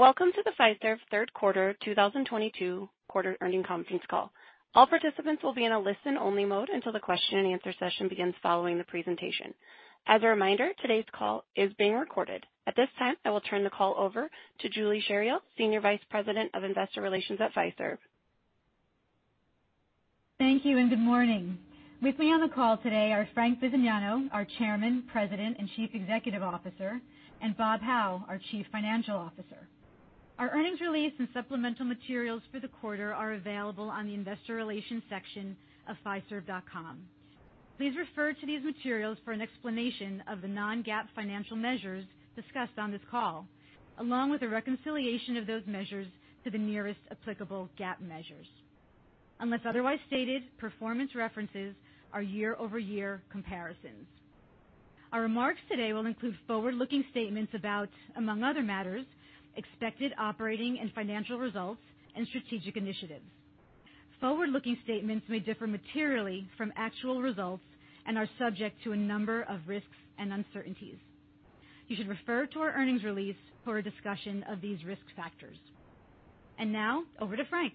Welcome to the Fiserv third quarter 2022 earnings conference call. All participants will be in a listen-only mode until the question and answer session begins following the presentation. As a reminder, today's call is being recorded. At this time, I will turn the call over to Julie Chariell, Senior Vice President of Investor Relations at Fiserv. Thank you and good morning. With me on the call today are Frank Bisignano, our Chairman, President, and Chief Executive Officer, and Bob Hau, our Chief Financial Officer. Our earnings release and supplemental materials for the quarter are available on the investor relations section of Fiserv.com. Please refer to these materials for an explanation of the non-GAAP financial measures discussed on this call, along with a reconciliation of those measures to the nearest applicable GAAP measures. Unless otherwise stated, performance references are year-over-year comparisons. Our remarks today will include forward-looking statements about, among other matters, expected operating and financial results and strategic initiatives. Forward-looking statements may differ materially from actual results and are subject to a number of risks and uncertainties. You should refer to our earnings release for a discussion of these risk factors. Now over to Frank.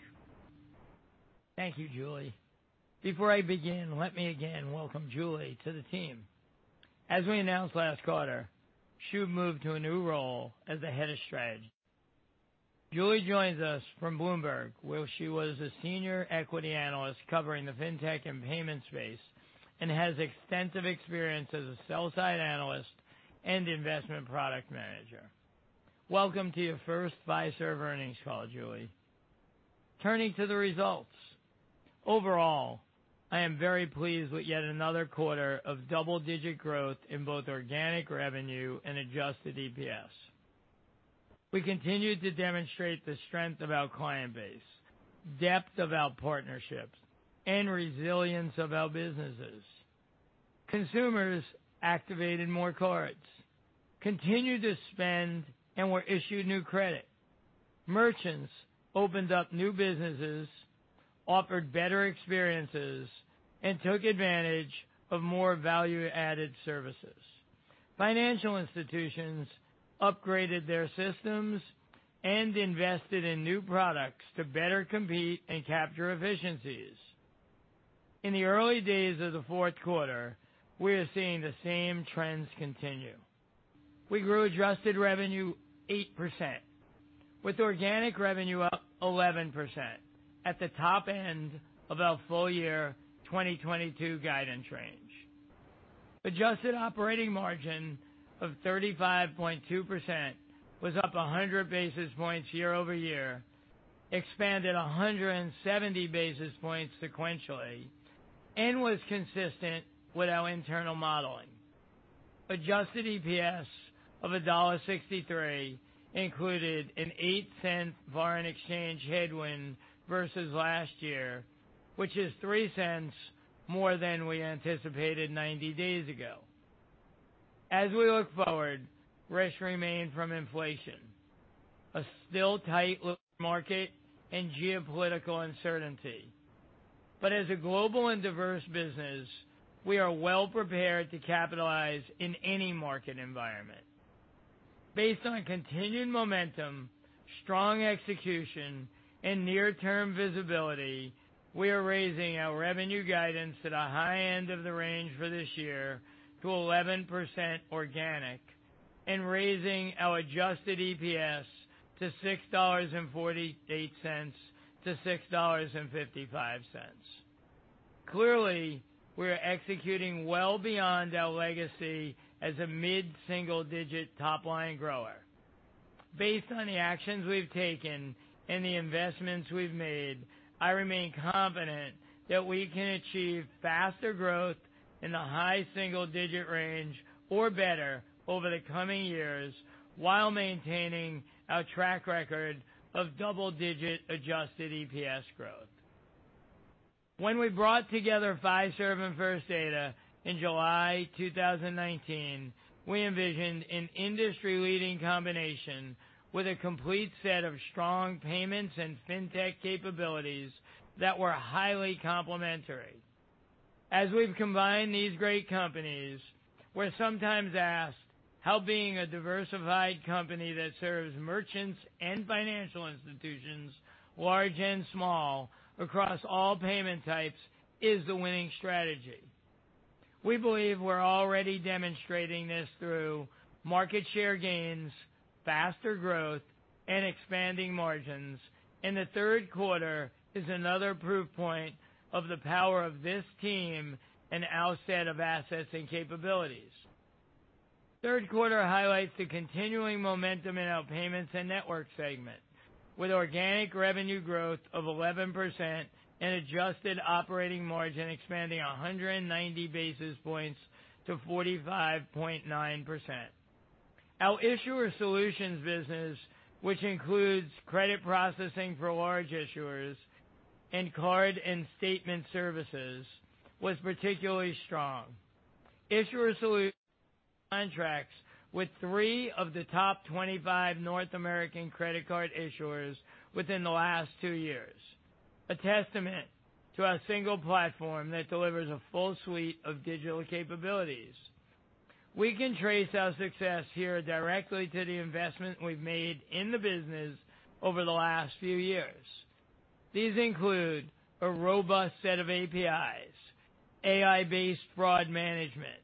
Thank you, Julie. Before I begin, let me again welcome Julie to the team. As we announced last quarter, she moved to a new role as the Head of Strategy. Julie joins us from Bloomberg, where she was a senior equity analyst covering the Fintech and payment space, and has extensive experience as a sell-side analyst and investment product manager. Welcome to your first Fiserv earnings call, Julie. Turning to the results. Overall, I am very pleased with yet another quarter of double-digit growth in both organic revenue and adjusted EPS. We continued to demonstrate the strength of our client base, depth of our partnerships, and resilience of our businesses. Consumers activated more cards, continued to spend, and were issued new credit. Merchants opened up new businesses, offered better experiences, and took advantage of more value-added services. Financial institutions upgraded their systems and invested in new products to better compete and capture efficiencies. In the early days of the fourth quarter, we are seeing the same trends continue. We grew adjusted revenue 8%, with organic revenue up 11% at the top end of our full-year 2022 guidance range. Adjusted operating margin of 35.2% was up 100 basis points year-over-year, expanded 170 basis points sequentially, and was consistent with our internal modeling. Adjusted EPS of $1.63 included an $0.08 foreign exchange headwind versus last year, which is $0.03 more than we anticipated 90 days ago. As we look forward, risks remain from inflation, a still tight labor market, and geopolitical uncertainty. As a global and diverse business, we are well-prepared to capitalize in any market environment. Based on continued momentum, strong execution, and near-term visibility, we are raising our revenue guidance to the high end of the range for this year to 11% organic, and raising our adjusted EPS to $6.48-$6.55. Clearly, we are executing well beyond our legacy as a mid-single-digit top-line grower. Based on the actions we've taken and the investments we've made, I remain confident that we can achieve faster growth in the high-single-digit range or better over the coming years while maintaining our track record of double-digit adjusted EPS growth. When we brought together Fiserv and First Data in July 2019, we envisioned an industry-leading combination with a complete set of strong payments and Fintech capabilities that were highly complementary. As we've combined these great companies, we're sometimes asked how being a diversified company that serves merchants and financial institutions, large and small, across all payment types is the winning strategy. We believe we're already demonstrating this through market share gains, faster growth, and expanding margins, and the third quarter is another proof point of the power of this team and our set of assets and capabilities. Third quarter highlights the continuing momentum in our payments and network segment with organic revenue growth of 11% and adjusted operating margin expanding 190 basis points to 45.9%. Our issuer solutions business, which includes credit processing for large issuers and card and statement services, was particularly strong. Issuer Solutions signed contracts with three of the top 25 North American credit card issuers within the last two years. A testament to our single platform that delivers a full suite of digital capabilities. We can trace our success here directly to the investment we've made in the business over the last few years. These include a robust set of APIs, AI-based fraud management,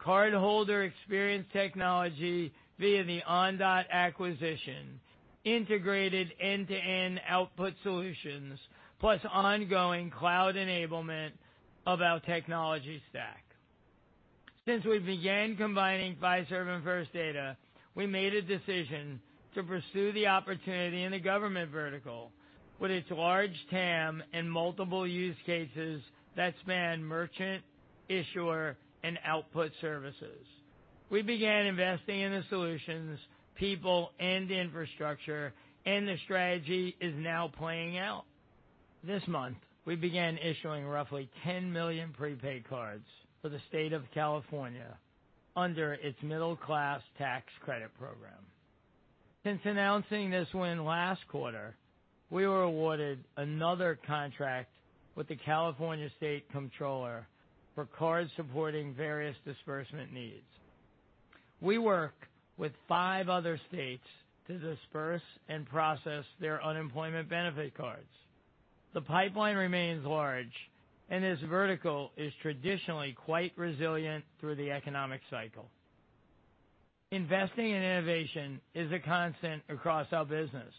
cardholder experience technology via the Ondot acquisition, integrated end-to-end output solutions, plus ongoing cloud enablement of our technology stack. Since we began combining Fiserv and First Data, we made a decision to pursue the opportunity in the government vertical with its large TAM and multiple use cases that span merchant, issuer, and output services. We began investing in the solutions, people, and infrastructure, and the strategy is now playing out. This month, we began issuing roughly 10 million prepaid cards for the state of California under its middle-class tax credit program. Since announcing this win last quarter, we were awarded another contract with the California State Comptroller for cards supporting various disbursement needs. We work with five other states to disburse and process their unemployment benefit cards. The pipeline remains large, and this vertical is traditionally quite resilient through the economic cycle. Investing in innovation is a constant across our business,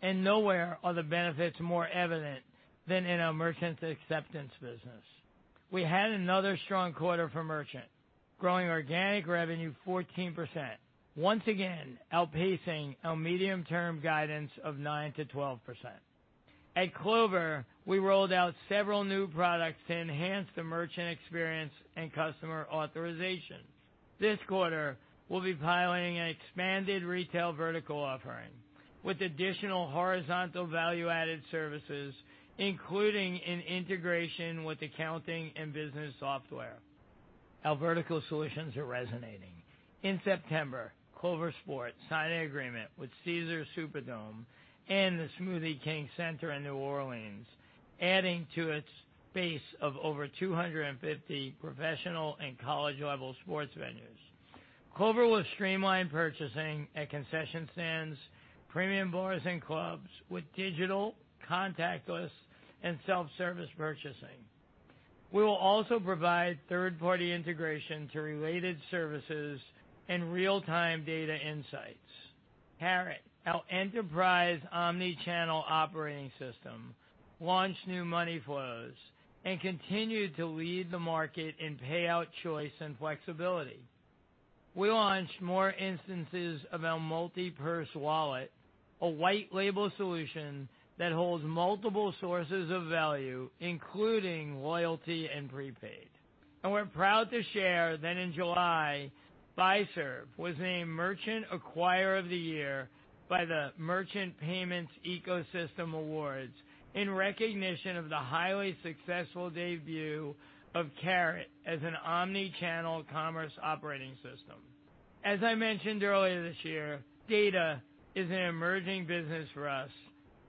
and nowhere are the benefits more evident than in our merchant acceptance business. We had another strong quarter for merchant, growing organic revenue 14%, once again outpacing our medium-term guidance of 9%-12%. At Clover, we rolled out several new products to enhance the merchant experience and customer authorizations. This quarter, we'll be piloting an expanded retail vertical offering with additional horizontal value-added services, including an integration with accounting and business software. Our vertical solutions are resonating. In September, Clover Sport signed an agreement with Caesars Superdome and the Smoothie King Center in New Orleans, adding to its base of over 250 professional and college-level sports venues. Clover will streamline purchasing at concession stands, premium bars, and clubs with digital contactless and self-service purchasing. We will also provide third-party integration to related services and real-time data insights. Carat, our enterprise omnichannel operating system, launched new money flows and continued to lead the market in payout choice and flexibility. We launched more instances of our multi-purse wallet, a white-label solution that holds multiple sources of value, including loyalty and prepaid. We're proud to share that in July, Fiserv was named Merchant Acquirer of the Year by the Merchant Payments Ecosystem Awards in recognition of the highly successful debut of Carat as an omnichannel commerce operating system. As I mentioned earlier this year, data is an emerging business for us,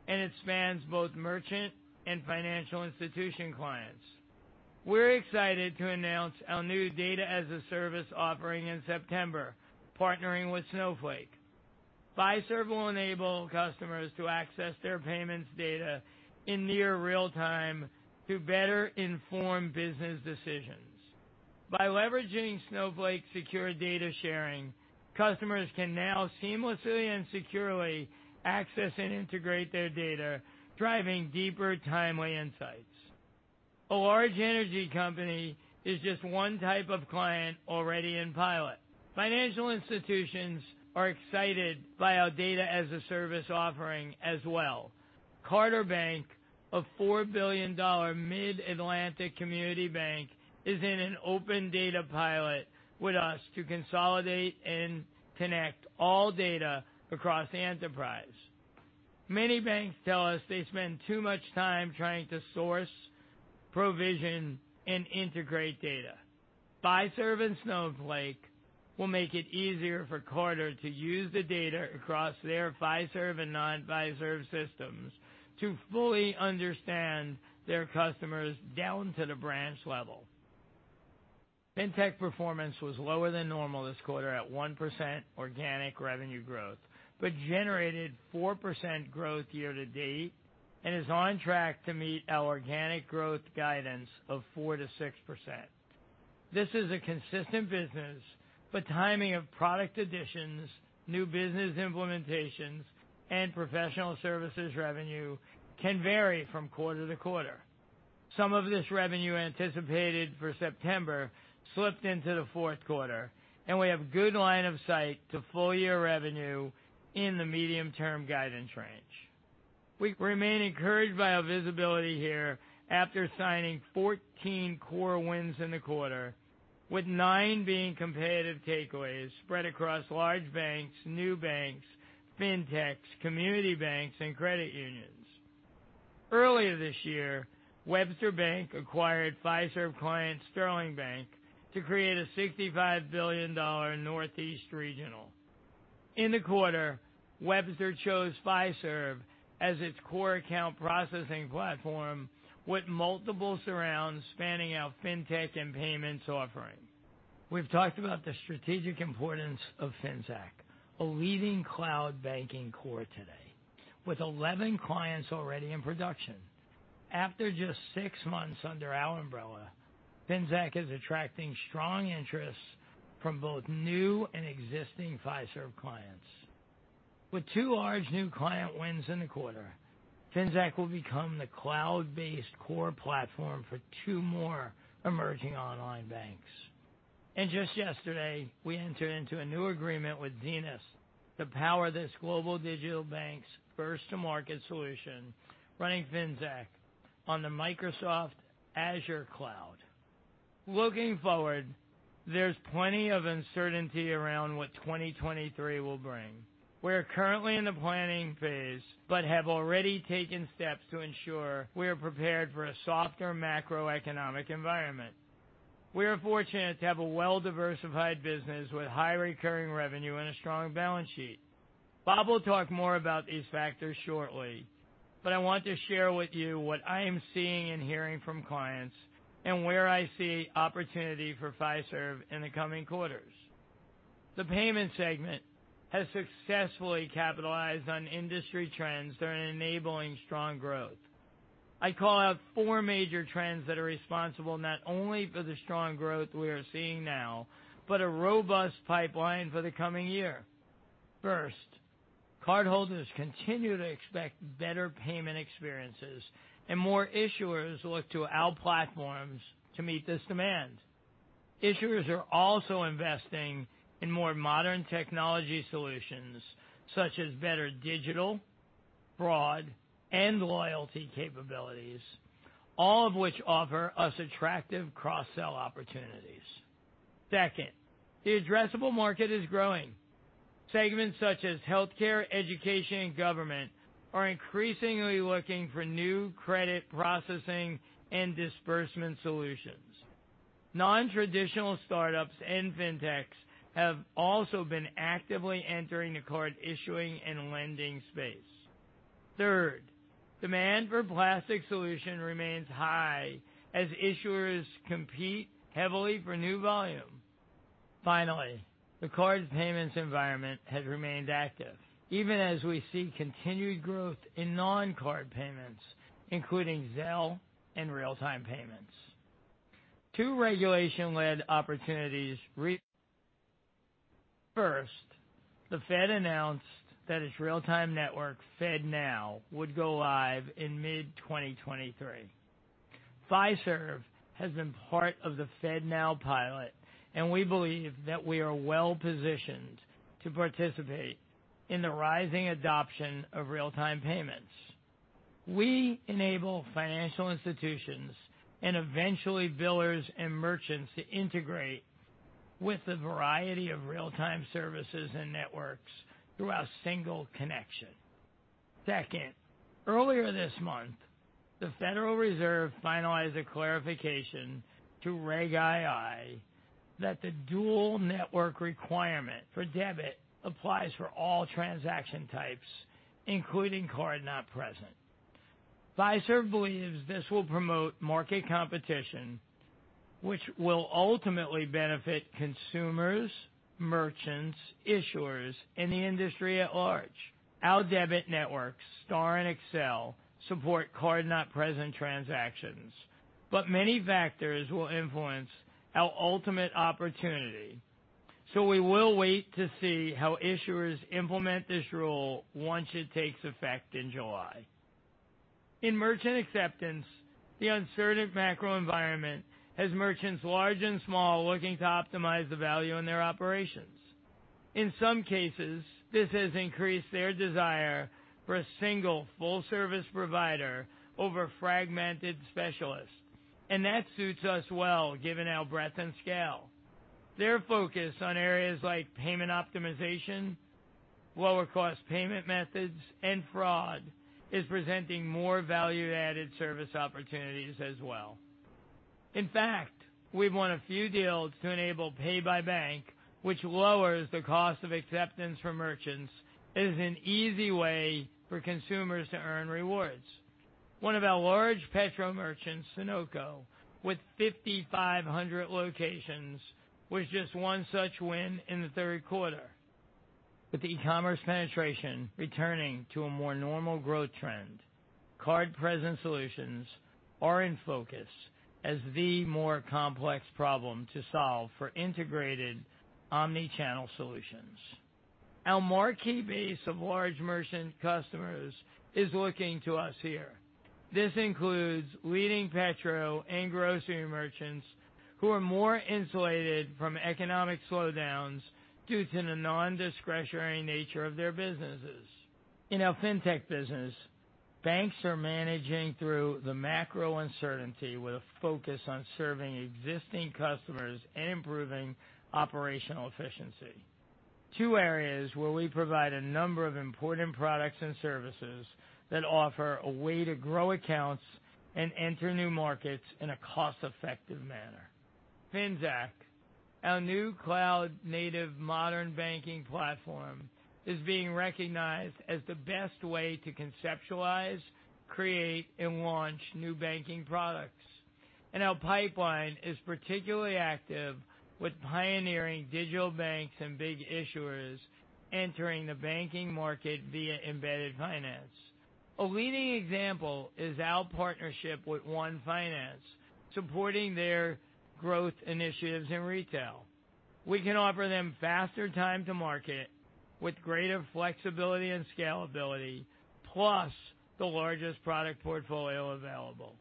and it spans both merchant and financial institution clients. We're excited to announce our new Data-as-a-Service offering in September, partnering with Snowflake. Fiserv will enable customers to access their payments data in near real-time to better inform business decisions. By leveraging Snowflake secure data sharing, customers can now seamlessly and securely access and integrate their data, driving deeper, timely insights. A large energy company is just one type of client already in pilot. Financial institutions are excited by our Data-as-a-Service offering as well. Carter Bank, a $4 billion mid-Atlantic community bank, is in an open data pilot with us to consolidate and connect all data across the enterprise. Many banks tell us they spend too much time trying to source, provision, and integrate data. Fiserv and Snowflake will make it easier for Carter to use the data across their Fiserv and non-Fiserv systems to fully understand their customers down to the branch level. Fintech performance was lower than normal this quarter at 1% organic revenue growth, but generated 4% growth year to date and is on track to meet our organic growth guidance of 4%-6%. This is a consistent business, but timing of product additions, new business implementations, and professional services revenue can vary from quarter to quarter. Some of this revenue anticipated for September slipped into the fourth quarter, and we have good line of sight to full-year revenue in the medium-term guidance range. We remain encouraged by our visibility here after signing 14 core wins in the quarter, with nine being competitive takeaways spread across large banks, new banks, Fintechs, community banks, and credit unions. Earlier this year, Webster Bank acquired Fiserv client Sterling Bank to create a $65 billion Northeast regional. In the quarter, Webster chose Fiserv as its core account processing platform with multiple surrounds spanning our Fintech and payments offering. We've talked about the strategic importance of Finxact, a leading cloud banking core today, with 11 clients already in production. After just six months under our umbrella, Finxact is attracting strong interest from both new and existing Fiserv clients. With two large new client wins in the quarter, Finxact will become the cloud-based core platform for two more emerging online banks. Just yesterday, we entered into a new agreement with Zenus to power this global digital bank's first-to-market solution running Finxact on the Microsoft Azure cloud. Looking forward, there's plenty of uncertainty around what 2023 will bring. We're currently in the planning phase, but have already taken steps to ensure we are prepared for a softer macroeconomic environment. We are fortunate to have a well-diversified business with high recurring revenue and a strong balance sheet. Bob will talk more about these factors shortly, but I want to share with you what I am seeing and hearing from clients and where I see opportunity for Fiserv in the coming quarters. The payments segment has successfully capitalized on industry trends that are enabling strong growth. I call out four major trends that are responsible not only for the strong growth we are seeing now, but a robust pipeline for the coming year. First, cardholders continue to expect better payment experiences and more issuers look to our platforms to meet this demand. Issuers are also investing in more modern technology solutions such as better digital, fraud, and loyalty capabilities, all of which offer us attractive cross-sell opportunities. Second, the addressable market is growing. Segments such as healthcare, education, and government are increasingly looking for new credit processing and disbursement solutions. Nontraditional startups and Fintechs have also been actively entering the card issuing and lending space. Third, demand for plastic solution remains high as issuers compete heavily for new volume. Finally, the card payments environment has remained active even as we see continued growth in non-card payments, including Zelle and real-time payments. Two-regulation-led opportunities. First, the Fed announced that its real-time network, FedNow, would go live in mid-2023. Fiserv has been part of the FedNow pilot, and we believe that we are well-positioned to participate in the rising adoption of real-time payments. We enable financial institutions and eventually billers and merchants to integrate with a variety of real-time services and networks through our single connection. Second, earlier this month, the Federal Reserve finalized a clarification to Reg II that the dual network requirement for debit applies for all transaction types, including card-not-present. Fiserv believes this will promote market competition, which will ultimately benefit consumers, merchants, issuers, and the industry at large. Our debit networks, STAR and Accel, support card-not-present transactions, but many factors will influence our ultimate opportunity. We will wait to see how issuers implement this rule once it takes effect in July. In merchant acceptance, the uncertain macro environment has merchants large and small looking to optimize the value in their operations. In some cases, this has increased their desire for a single full-service provider over fragmented specialists, and that suits us well given our breadth and scale. Their focus on areas like payment optimization, lower-cost payment methods, and fraud is presenting more value-added service opportunities as well. In fact, we've won a few deals to enable Pay by Bank, which lowers the cost of acceptance for merchants and is an easy way for consumers to earn rewards. One of our large petro merchants, Sunoco, with 5,500 locations, was just one such win in the third quarter. With the e-commerce penetration returning to a more normal growth trend, card-present solutions are in focus as the more complex problem to solve for integrated omnichannel solutions. Our marquee base of large merchant customers is looking to us here. This includes leading petro and grocery merchants who are more insulated from economic slowdowns due to the nondiscretionary nature of their businesses. In our Fintech business, banks are managing through the macro uncertainty with a focus on serving existing customers and improving operational efficiency. Two areas where we provide a number of important products and services that offer a way to grow accounts and enter new markets in a cost-effective manner. Finxact, our new cloud-native modern banking platform, is being recognized as the best way to conceptualize, create, and launch new banking products. Our pipeline is particularly active with pioneering digital banks and big issuers entering the banking market via embedded finance. A leading example is our partnership with One, supporting their growth initiatives in retail. We can offer them faster time to market with greater flexibility and scalability, plus the largest product portfolio available.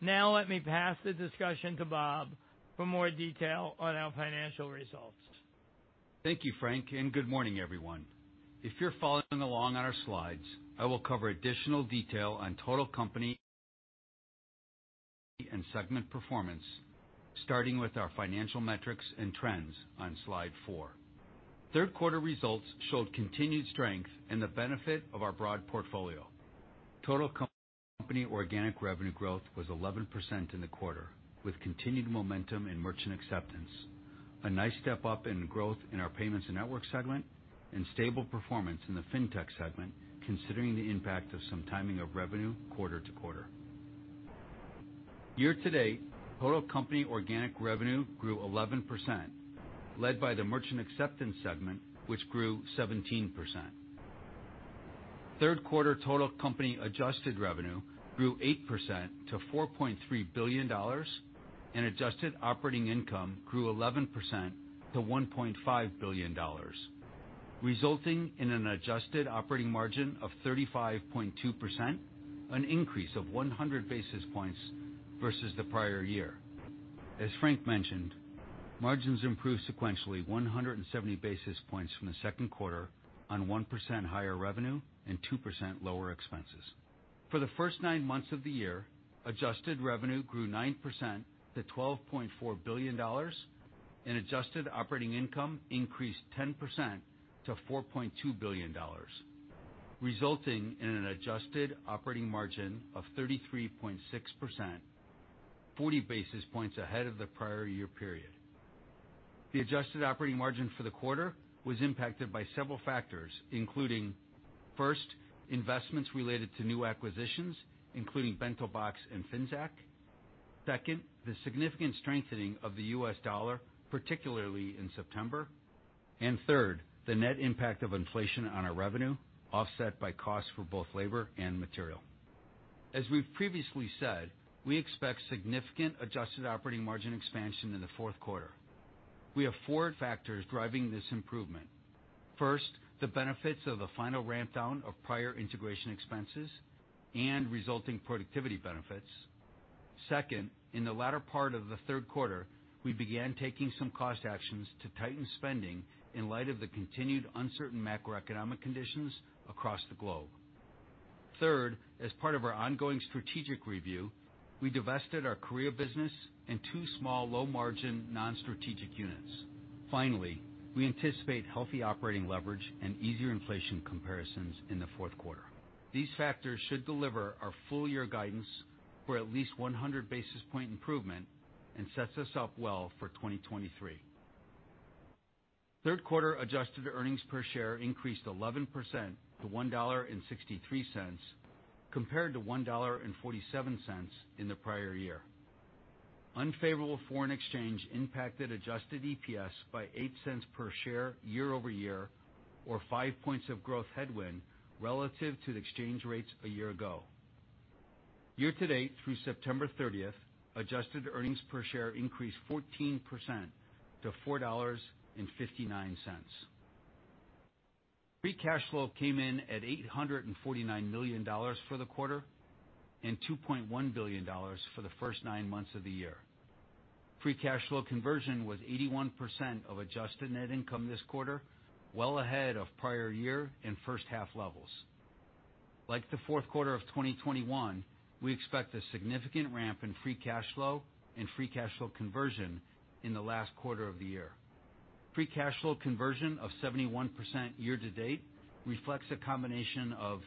Now let me pass the discussion to Bob for more detail on our financial results. Thank you, Frank, and good morning, everyone. If you're following along on our slides, I will cover additional detail on total company and segment performance, starting with our financial metrics and trends on slide four. Third quarter results showed continued strength in the benefit of our broad portfolio. Total company organic revenue growth was 11% in the quarter, with continued momentum in merchant acceptance. A nice step up in growth in our payments and network segment and stable performance in the Fintech segment, considering the impact of some timing of revenue quarter to quarter. Year-to-date, total company organic revenue grew 11%, led by the merchant acceptance segment, which grew 17%. Third quarter total company adjusted revenue grew 8% to $4.3 billion and adjusted operating income grew 11% to $1.5 billion, resulting in an adjusted operating margin of 35.2%, an increase of 100 basis points versus the prior year. As Frank mentioned, margins improved sequentially 170 basis points from the second quarter on 1% higher revenue and 2% lower expenses. For the first nine months of the year, adjusted revenue grew 9% to $12.4 billion and adjusted operating income increased 10% to $4.2 billion, resulting in an adjusted operating margin of 33.6%, 40 basis points ahead of the prior year period. The adjusted operating margin for the quarter was impacted by several factors, including, first, investments related to new acquisitions, including BentoBox and Finxact. Second, the significant strengthening of the U.S. dollar, particularly in September. Third, the net impact of inflation on our revenue, offset by costs for both labor and material. As we've previously said, we expect significant adjusted operating margin expansion in the fourth quarter. We have four factors driving this improvement. First, the benefits of the final ramp down of prior integration expenses and resulting productivity benefits. Second, in the latter part of the third quarter, we began taking some cost actions to tighten spending in light of the continued uncertain macroeconomic conditions across the globe. Third, as part of our ongoing strategic review, we divested our Korea business in two small low-margin non-strategic units. Finally, we anticipate healthy operating leverage and easier inflation comparisons in the fourth quarter. These factors should deliver our full-year guidance for at least 100 basis point improvement and sets us up well for 2023. Third quarter adjusted earnings per share increased 11% to $1.63 compared to $1.47 in the prior year. Unfavorable foreign exchange impacted adjusted EPS by $0.08 per share year-over-year or 5 points of growth headwind relative to the exchange rates a year ago. Year to date through September 30, adjusted earnings per share increased 14% to $4.59. Free cash flow came in at $849 million for the quarter and $2.1 billion for the first nine months of the year. Free cash flow conversion was 81% of adjusted net income this quarter, well ahead of prior year and first half levels. Like the fourth quarter of 2021, we expect a significant ramp in free cash flow and free cash flow conversion in the last quarter of the year. Free cash flow conversion of 71% year-to-date reflects a combination of,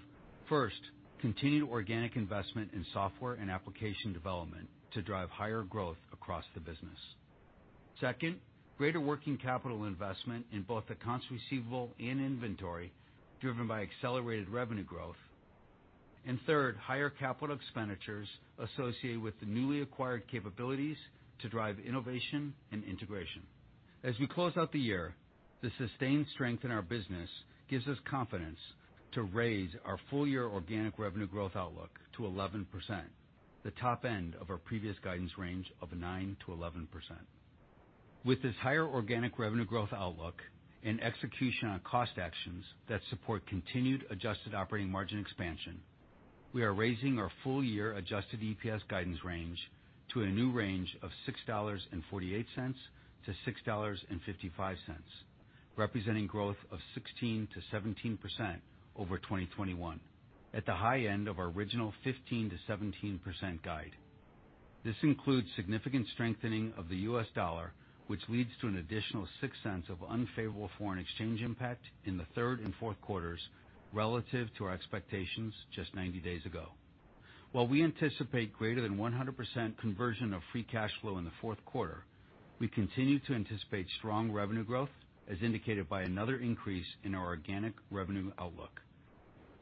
first, continued organic investment in software and application development to drive higher growth across the business. Second, greater working capital investment in both accounts receivable and inventory driven by accelerated revenue growth. Third, higher capital expenditures associated with the newly acquired capabilities to drive innovation and integration. As we close out the year, the sustained strength in our business gives us confidence to raise our full-year organic revenue growth outlook to 11%, the top end of our previous guidance range of 9%-11%. With this higher organic revenue growth outlook and execution on cost actions that support continued adjusted operating margin expansion, we are raising our full-year adjusted EPS guidance range to a new range of $6.48-$6.55, representing growth of 16%-17% over 2021 at the high end of our original 15%-17% guide. This includes significant strengthening of the U.S. dollar, which leads to an additional $0.06 of unfavorable foreign exchange impact in the third and fourth quarters relative to our expectations just 90 days ago. While we anticipate greater than 100% conversion of free cash flow in the fourth quarter, we continue to anticipate strong revenue growth as indicated by another increase in our organic revenue outlook.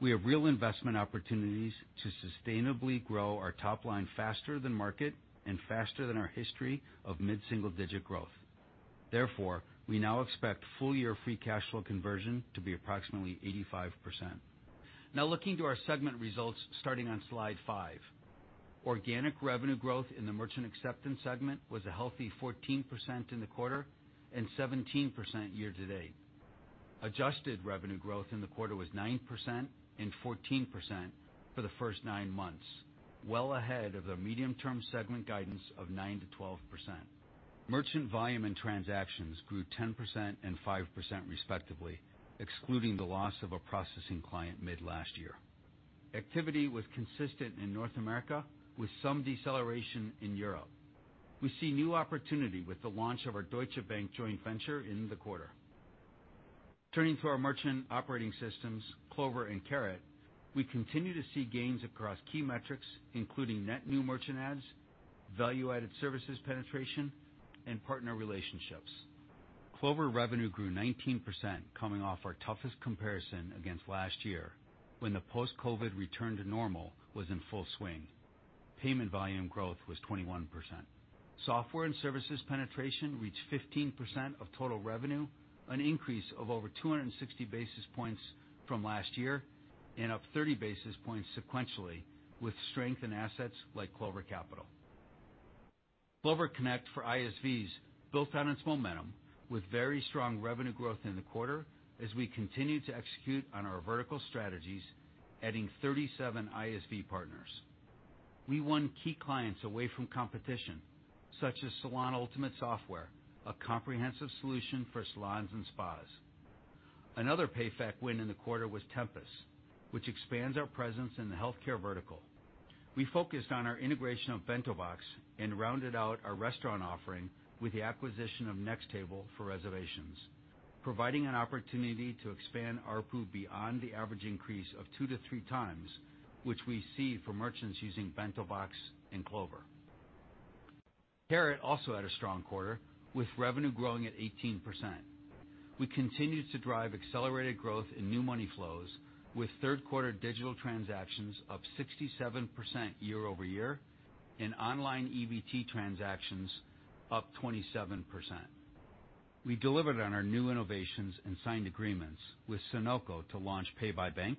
We have real investment opportunities to sustainably grow our top line faster than market and faster than our history of mid-single digit growth. Therefore, we now expect full year free cash flow conversion to be approximately 85%. Now looking to our segment results starting on slide five. Organic revenue growth in the merchant acceptance segment was a healthy 14% in the quarter and 17% year-to-date. Adjusted revenue growth in the quarter was 9% and 14% for the first nine months, well ahead of the medium-term segment guidance of 9%-12%. Merchant volume and transactions grew 10% and 5% respectively, excluding the loss of a processing client mid last year. Activity was consistent in North America with some deceleration in Europe. We see new opportunity with the launch of our Deutsche Bank joint venture in the quarter. Turning to our merchant operating systems, Clover and Carat, we continue to see gains across key metrics including net new merchant adds, value-added services penetration, and partner relationships. Clover revenue grew 19% coming off our toughest comparison against last year when the post-COVID return to normal was in full swing. Payment volume growth was 21%. Software and services penetration reached 15% of total revenue, an increase of over 260 basis points from last year and up 30 basis points sequentially with strength in assets like Clover Capital. Clover Connect for ISVs built on its momentum with very strong revenue growth in the quarter as we continue to execute on our vertical strategies, adding 37 ISV partners. We won key clients away from competition, such as SalonUltimate Software, a comprehensive solution for salons and spas. Another PayFac win in the quarter was Tempus, which expands our presence in the healthcare vertical. We focused on our integration of BentoBox and rounded out our restaurant offering with the acquisition of NexTable for reservations, providing an opportunity to expand ARPU beyond the average increase of 2x-3x which we see for merchants using BentoBox and Clover. Carat also had a strong quarter with revenue growing at 18%. We continued to drive accelerated growth in new money flows with third quarter digital transactions up 67% year-over-year and online EBT transactions up 27%. We delivered on our new innovations and signed agreements with Sunoco to launch Pay by Bank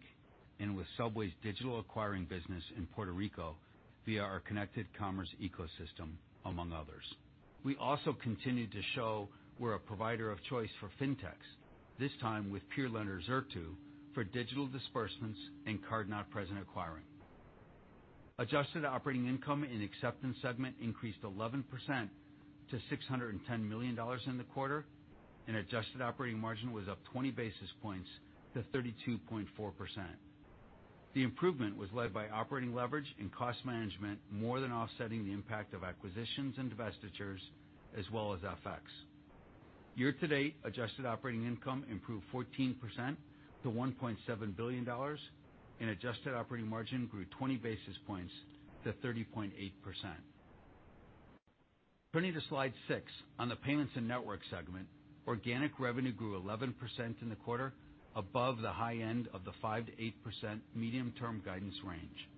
and with Subway's digital acquiring business in Puerto Rico via our connected commerce ecosystem, among others. We also continued to show we're a provider of choice for Fintechs, this time with peer lender Zirtue for digital disbursements and card-not-present acquiring. Adjusted operating income in acceptance segment increased 11% to $610 million in the quarter and adjusted operating margin was up 20 basis points to 32.4%. The improvement was led by operating leverage and cost management more than offsetting the impact of acquisitions and divestitures as well as FX. Year to date, adjusted operating income improved 14% to $1.7 billion and adjusted operating margin grew 20 basis points to 30.8%. Turning to slide six on the payments and network segment, organic revenue grew 11% in the quarter above the high end of the 5%-8% medium-term guidance range.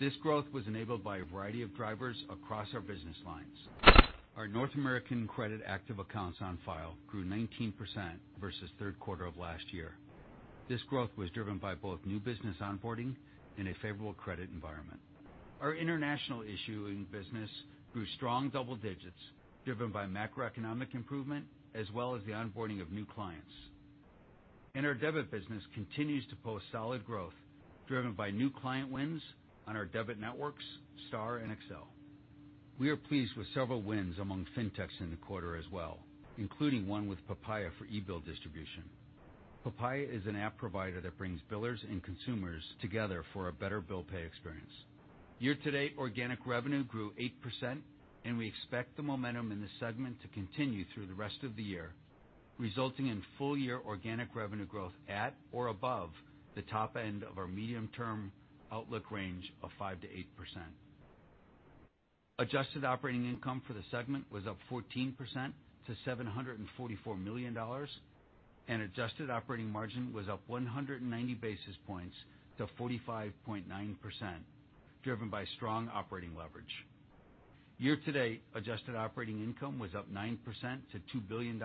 This growth was enabled by a variety of drivers across our business lines. Our North American credit active accounts on file grew 19% versus third quarter of last year. This growth was driven by both new business onboarding in a favorable credit environment. Our international issuing business grew strong double digits driven by macroeconomic improvement as well as the onboarding of new clients. Our debit business continues to post solid growth driven by new client wins on our debit networks, STAR and Accel. We are pleased with several wins among Fintechs in the quarter as well, including one with Papaya for eBill distribution. Papaya is an app provider that brings billers and consumers together for a better bill pay experience. Year to date, organic revenue grew 8%, and we expect the momentum in the segment to continue through the rest of the year, resulting in full year organic revenue growth at or above the top end of our medium-term outlook range of 5%-8%. Adjusted operating income for the segment was up 14% to $744 million and adjusted operating margin was up 190 basis points to 45.9%, driven by strong operating leverage. Year to date, adjusted operating income was up 9% to $2 billion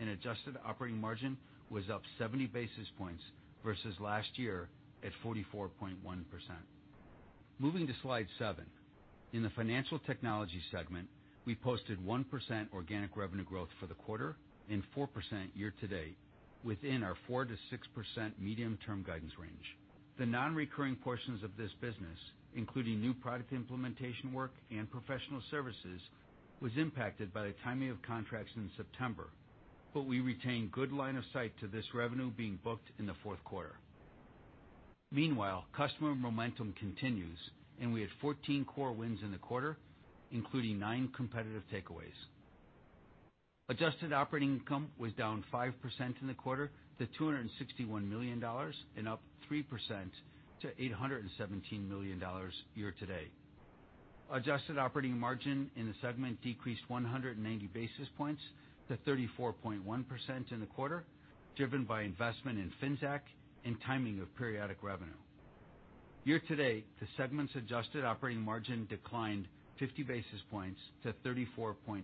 and adjusted operating margin was up 70 basis points versus last year at 44.1%. Moving to slide seven. In the financial technology segment, we posted 1% organic revenue growth for the quarter and 4% year-to-date within our 4%-6% medium-term guidance range. The non-recurring portions of this business, including new product implementation work and professional services, was impacted by the timing of contracts in September, but we retain good line of sight to this revenue being booked in the fourth quarter. Meanwhile, customer momentum continues and we had 14 core wins in the quarter, including nine competitive takeaways. Adjusted operating income was down 5% in the quarter to $261 million and up 3% to $817 million year-to-date. Adjusted operating margin in the segment decreased 190 basis points to 34.1% in the quarter, driven by investment in Fintech and timing of periodic revenue. Year-to-date, the segment's adjusted operating margin declined 50 basis points to 34.8%.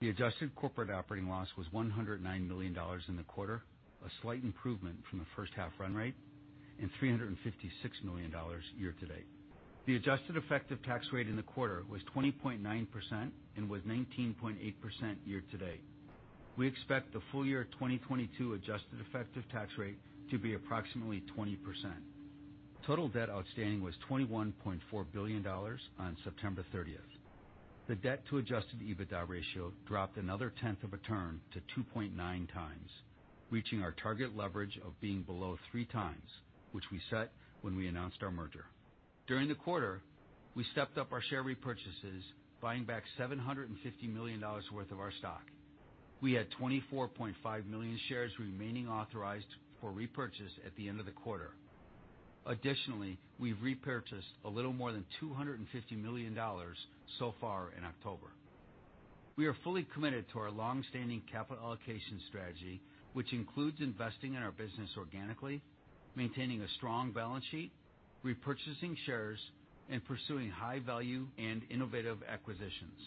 The adjusted corporate operating loss was $109 million in the quarter, a slight improvement from the first half run rate, and $356 million year-to-date. The adjusted effective tax rate in the quarter was 20.9% and was 19.8% year-to-date. We expect the full-year 2022 adjusted effective tax rate to be approximately 20%. Total debt outstanding was $21.4 billion on September 30. The debt to adjusted EBITDA ratio dropped another tenth of a turn to 2.9x, reaching our target leverage of being below 3x, which we set when we announced our merger. During the quarter, we stepped up our share repurchases, buying back $750 million worth of our stock. We had 24.5 million shares remaining authorized for repurchase at the end of the quarter. Additionally, we repurchased a little more than $250 million so far in October. We are fully committed to our long-standing capital allocation strategy, which includes investing in our business organically, maintaining a strong balance sheet, repurchasing shares, and pursuing high value and innovative acquisitions.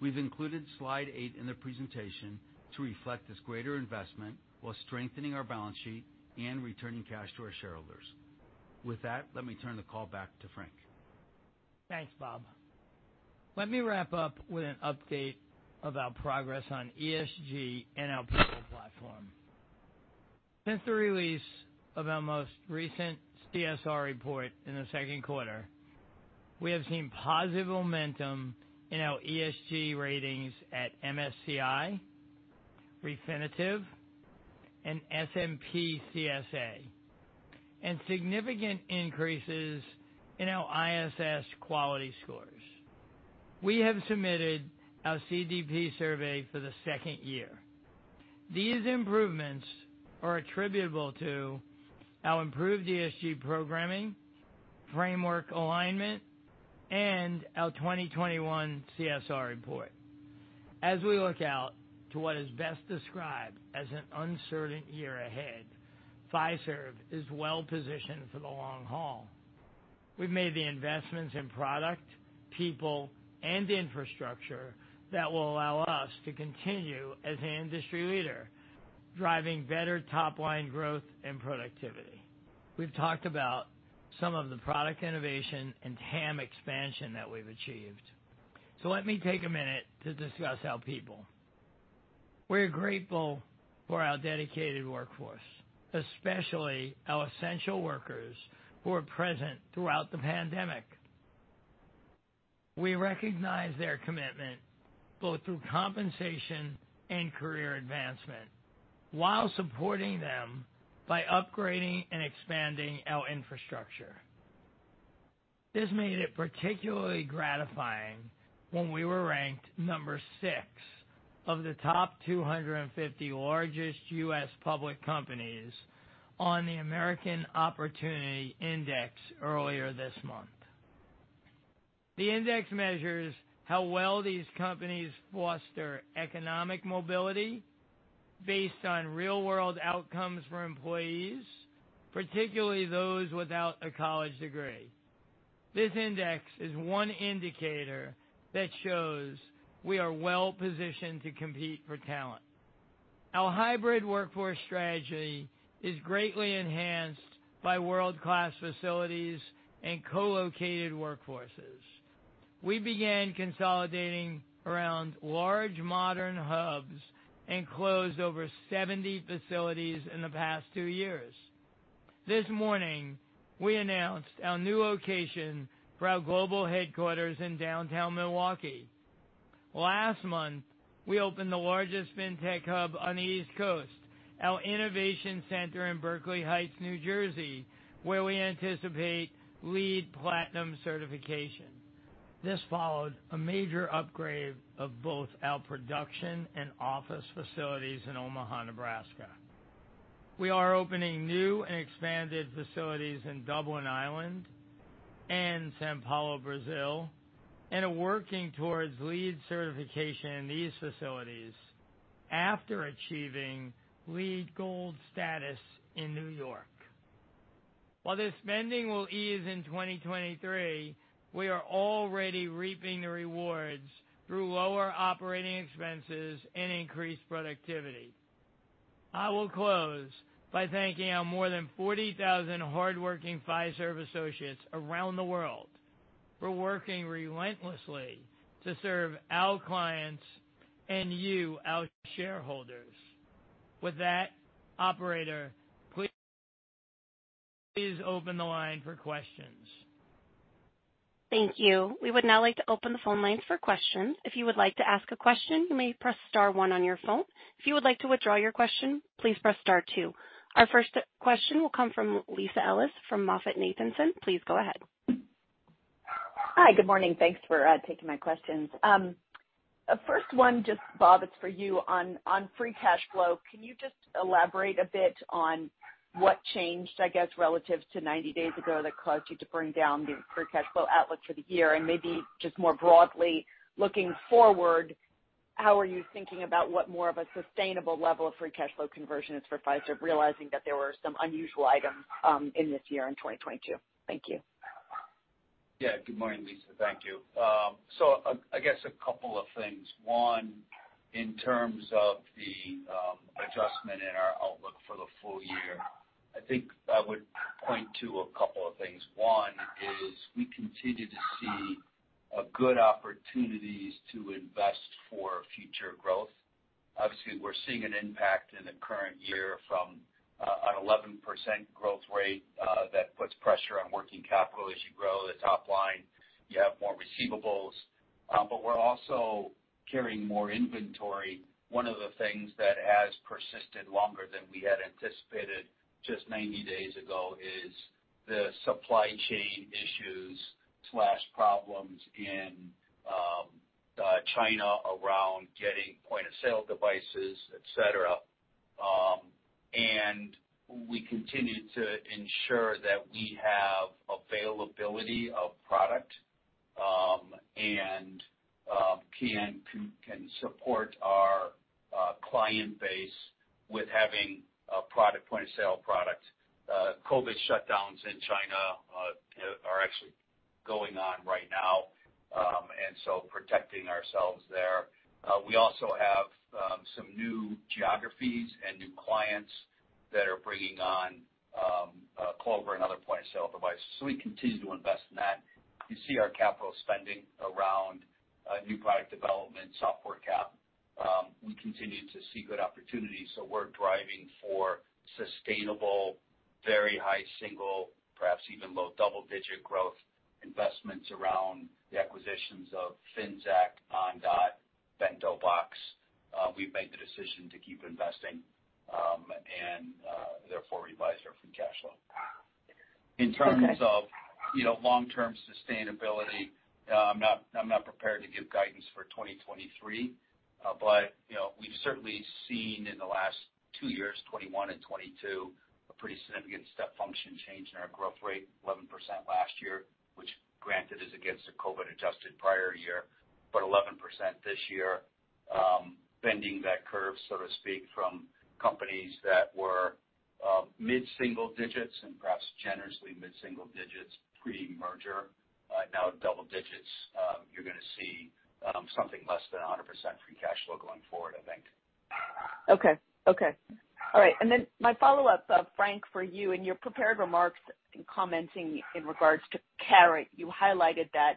We've included slide eight in the presentation to reflect this greater investment while strengthening our balance sheet and returning cash to our shareholders. With that, let me turn the call back to Frank. Thanks, Bob. Let me wrap up with an update of our progress on ESG and our people platform. Since the release of our most recent CSR report in the second quarter, we have seen positive momentum in our ESG ratings at MSCI, Refinitiv, and S&P CSA, and significant increases in our ISS quality scores. We have submitted our CDP survey for the second year. These improvements are attributable to our improved ESG programming, framework alignment, and our 2021 CSR report. As we look out to what is best described as an uncertain year ahead, Fiserv is well-positioned for the long haul. We've made the investments in product, people, and infrastructure that will allow us to continue as an industry leader, driving better top-line growth and productivity. We've talked about some of the product innovation and TAM expansion that we've achieved. Let me take a minute to discuss our people. We're grateful for our dedicated workforce, especially our essential workers who are present throughout the pandemic. We recognize their commitment, both through compensation and career advancement, while supporting them by upgrading and expanding our infrastructure. This made it particularly gratifying when we were ranked number six of the top 250 largest U.S. public companies on the American Opportunity Index earlier this month. The index measures how well these companies foster economic mobility based on real-world outcomes for employees, particularly those without a college degree. This index is one indicator that shows we are well-positioned to compete for talent. Our hybrid workforce strategy is greatly enhanced by world-class facilities and co-located workforces. We began consolidating around large modern hubs and closed over 70 facilities in the past two years. This morning, we announced our new location for our global headquarters in downtown Milwaukee. Last month, we opened the largest Fintech hub on the East Coast, our innovation center in Berkeley Heights, New Jersey, where we anticipate LEED Platinum certification. This followed a major upgrade of both our production and office facilities in Omaha, Nebraska. We are opening new and expanded facilities in Dublin, Ireland and São Paulo, Brazil, and are working towards LEED certification in these facilities after achieving LEED Gold status in New York. While the spending will ease in 2023, we are already reaping the rewards through lower operating expenses and increased productivity. I will close by thanking our more than 40,000 hardworking Fiserv associates around the world for working relentlessly to serve our clients and you, our shareholders. With that, operator, please open the line for questions. Thank you. We would now like to open the phone lines for questions. If you would like to ask a question, you may press star one on your phone. If you would like to withdraw your question, please press star two. Our first question will come from Lisa Ellis from MoffettNathanson. Please go ahead. Hi. Good morning. Thanks for taking my questions. First one just, Bob, it's for you on free cash flow. Can you just elaborate a bit on what changed, I guess, relative to 90 days ago that caused you to bring down the free cash flow outlook for the year? Maybe just more broadly, looking forward, how are you thinking about what more of a sustainable level of free cash flow conversion is for Fiserv, realizing that there were some unusual items in this year in 2022? Thank you. Yeah. Good morning, Lisa. Thank you. I guess a couple of things. One, in terms of the adjustment in our outlook for the full year, I think I would point to a couple of things. One is we continue to see good opportunities to invest for future growth. Obviously, we're seeing an impact in the current year from an 11% growth rate that puts pressure on working capital as you grow the top line. You have more receivables, but we're also carrying more inventory. One of the things that has persisted longer than we had anticipated just 90 days ago is the supply chain issues and problems in China around getting point-of-sale devices, et cetera. We continue to ensure that we have availability of product and can support our client base with having a product, point-of-sale product. COVID shutdowns in China are actually going on right now, protecting ourselves there. We also have some new geographies and new clients that are bringing on Clover and other point-of-sale devices. We continue to invest in that. You see our capital spending around new product development, software CapEx. We continue to see good opportunities, so we're driving for sustainable, very high-single-digit, perhaps even low double-digit growth investments around the acquisitions of Finxact, Ondot, BentoBox. We've made the decision to keep investing and therefore revised our free cash flow. Okay. In terms of, you know, long-term sustainability, I'm not prepared to give guidance for 2023. You know, we've certainly seen in the last two years, 2021 and 2022, a pretty significant step function change in our growth rate, 11% last year, which granted is against a COVID-adjusted prior year, but 11% this year. Bending that curve, so to speak, from companies that were mid-single digits and perhaps generously mid-single digits pre-merger, now double digits. You're gonna see something less than 100% free cash flow going forward, I think. Okay. All right. My follow-up, Frank, for you. In your prepared remarks in commenting in regards to Carat, you highlighted that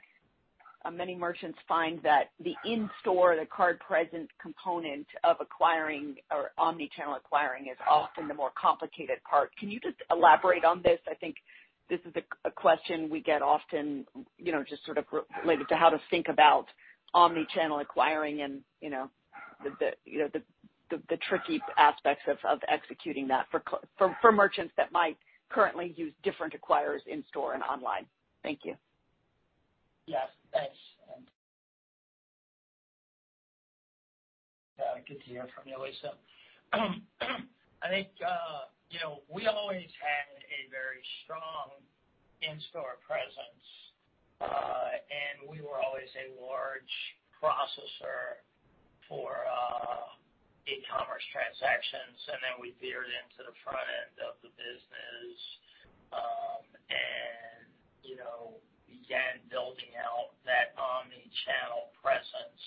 many merchants find that the in-store, the card-present component of acquiring or omnichannel acquiring is often the more complicated part. Can you just elaborate on this? I think this is a question we get often, you know, just sort of related to how to think about omnichannel acquiring and, you know, the tricky aspects of executing that for merchants that might currently use different acquirers in store and online. Thank you. Yes. Thanks. Yeah, good to hear from you, Lisa. I think, you know, we always had a very strong in-store presence, and we were always a large processor for, e-commerce transactions, and then we veered into the front end of the business. You know, began building out that omnichannel presence.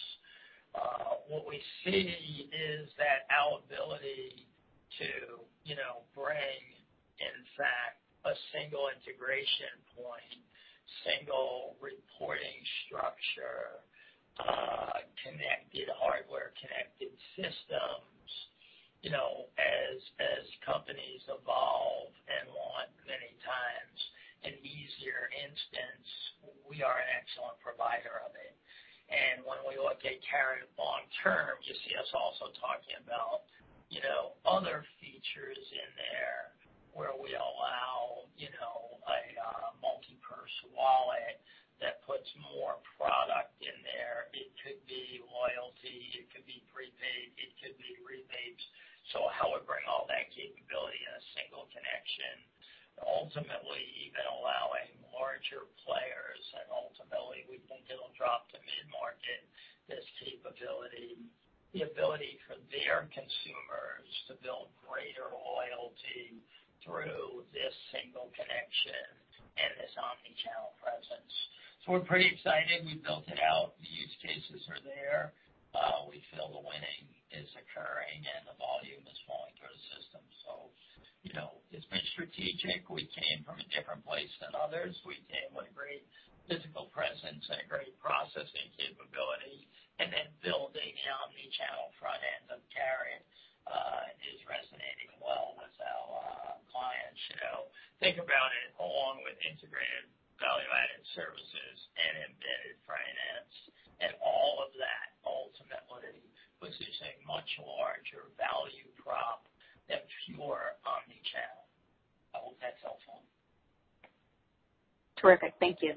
What we see is that our ability to, you know, bring, in fact, a single integration point, single reporting structure, connected hardware, connected systems, you know, as companies evolve and want many times an easier instance, we are an excellent provider of it. When we look at Carat long term, you see us also talking about, you know, other features in there where we allow, you know, a, multi-purse wallet that puts more product in there. It could be loyalty, it could be prepaid, it could be rebates. How we bring all that capability in a single connection. Ultimately, even allowing larger players, and ultimately, we think it'll drop to mid-market, this capability, the ability for their consumers to build greater loyalty through this single connection and this omnichannel presence. We're pretty excited. We've built it out. The use cases are there. We feel the winning is occurring and the volume is flowing through the system. You know, it's been strategic. We came from a different place than others. We came with a great physical presence and a great processing capability, and then building the omnichannel front end of Carat is resonating well with our clients. You know, think about it along with integrated value-added services. Much larger value prop that's more omnichannel. I will take cell phone. Terrific. Thank you.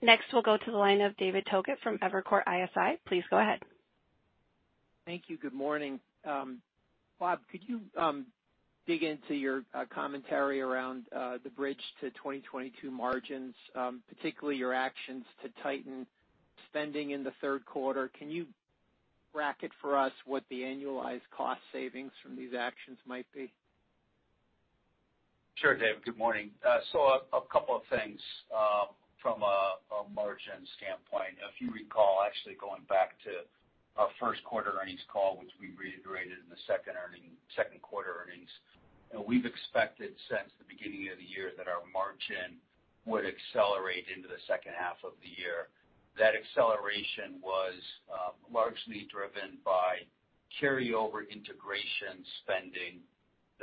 Next, we'll go to the line of David Togut from Evercore ISI. Please go ahead. Thank you. Good morning. Bob, could you dig into your commentary around the bridge to 2022 margins, particularly your actions to tighten spending in the third quarter? Can you bracket for us what the annualized cost savings from these actions might be? Sure, Dave. Good morning. A couple of things from a margin standpoint. If you recall, actually going back to our first quarter earnings call, which we reiterated in the second quarter earnings, we've expected since the beginning of the year that our margin would accelerate into the second half of the year. That acceleration was largely driven by carryover integration spending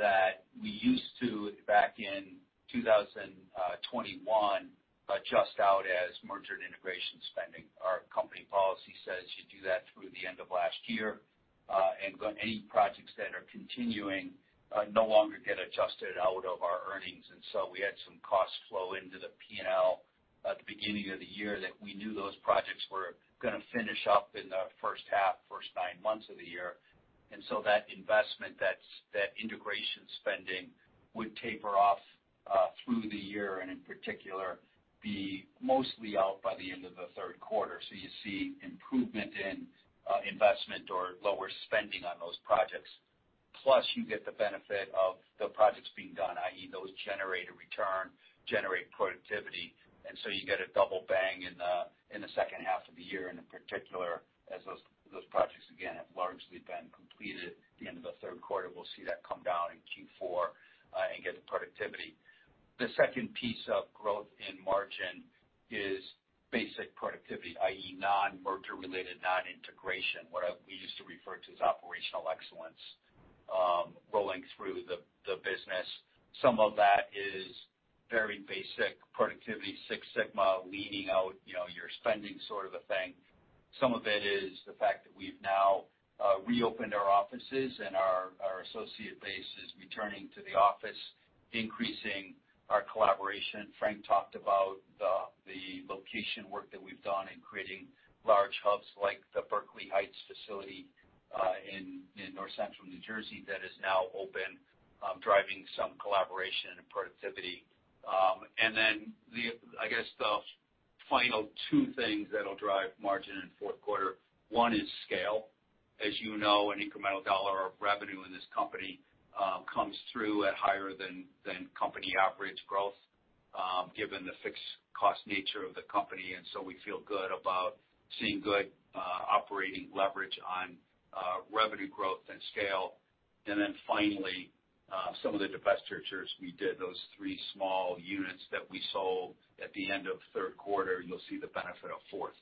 that we used to, back in 2021, adjust out as merger and integration spending. Our company policy says you do that through the end of last year, and any projects that are continuing no longer get adjusted out of our earnings. We had some costs flow into the P&L at the beginning of the year that we knew those projects were gonna finish up in the first half, first nine months of the year. That investment, that integration spending would taper off through the year and in particular be mostly out by the end of the third quarter. You see improvement in investment or lower spending on those projects. Plus you get the benefit of the projects being done, i.e., those generate a return, generate productivity, and you get a double bang in the second half of the year, and in particular, as those projects again have largely been completed at the end of the third quarter. We'll see that come down in Q4 and get the productivity. The second piece of growth in margin is basic productivity, i.e., non-merger related, non-integration, we used to refer to as operational excellence, rolling through the business. Some of that is very basic productivity, Six Sigma, leaning out, you know, your spending sort of a thing. Some of it is the fact that we've now reopened our offices and our associate base is returning to the office, increasing our collaboration. Frank talked about the location work that we've done in creating large hubs like the Berkeley Heights facility in North Central New Jersey that is now open, driving some collaboration and productivity. I guess the final two things that'll drive margin in fourth quarter, one is scale. As you know, an incremental dollar of revenue in this company comes through at higher than company average growth, given the fixed cost nature of the company. We feel good about seeing good operating leverage on revenue growth and scale. Finally, some of the divestitures we did, those three small units that we sold at the end of third quarter, you'll see the benefit of fourth quarter.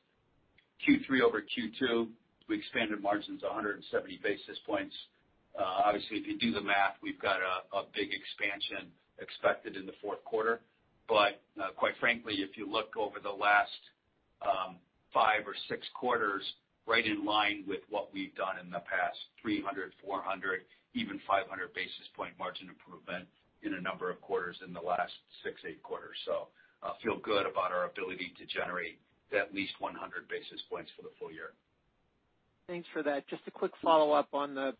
Q3 over Q2, we expanded margins 100 basis points. Obviously, if you do the math, we've got a big expansion expected in the fourth quarter. Quite frankly, if you look over the last five or six quarters, right in line with what we've done in the past 300, 400, even 500 basis point margin improvement in a number of quarters in the last six, eight quarters. Feel good about our ability to generate at least 100 basis points for the full year. Thanks for that. Just a quick follow-up on the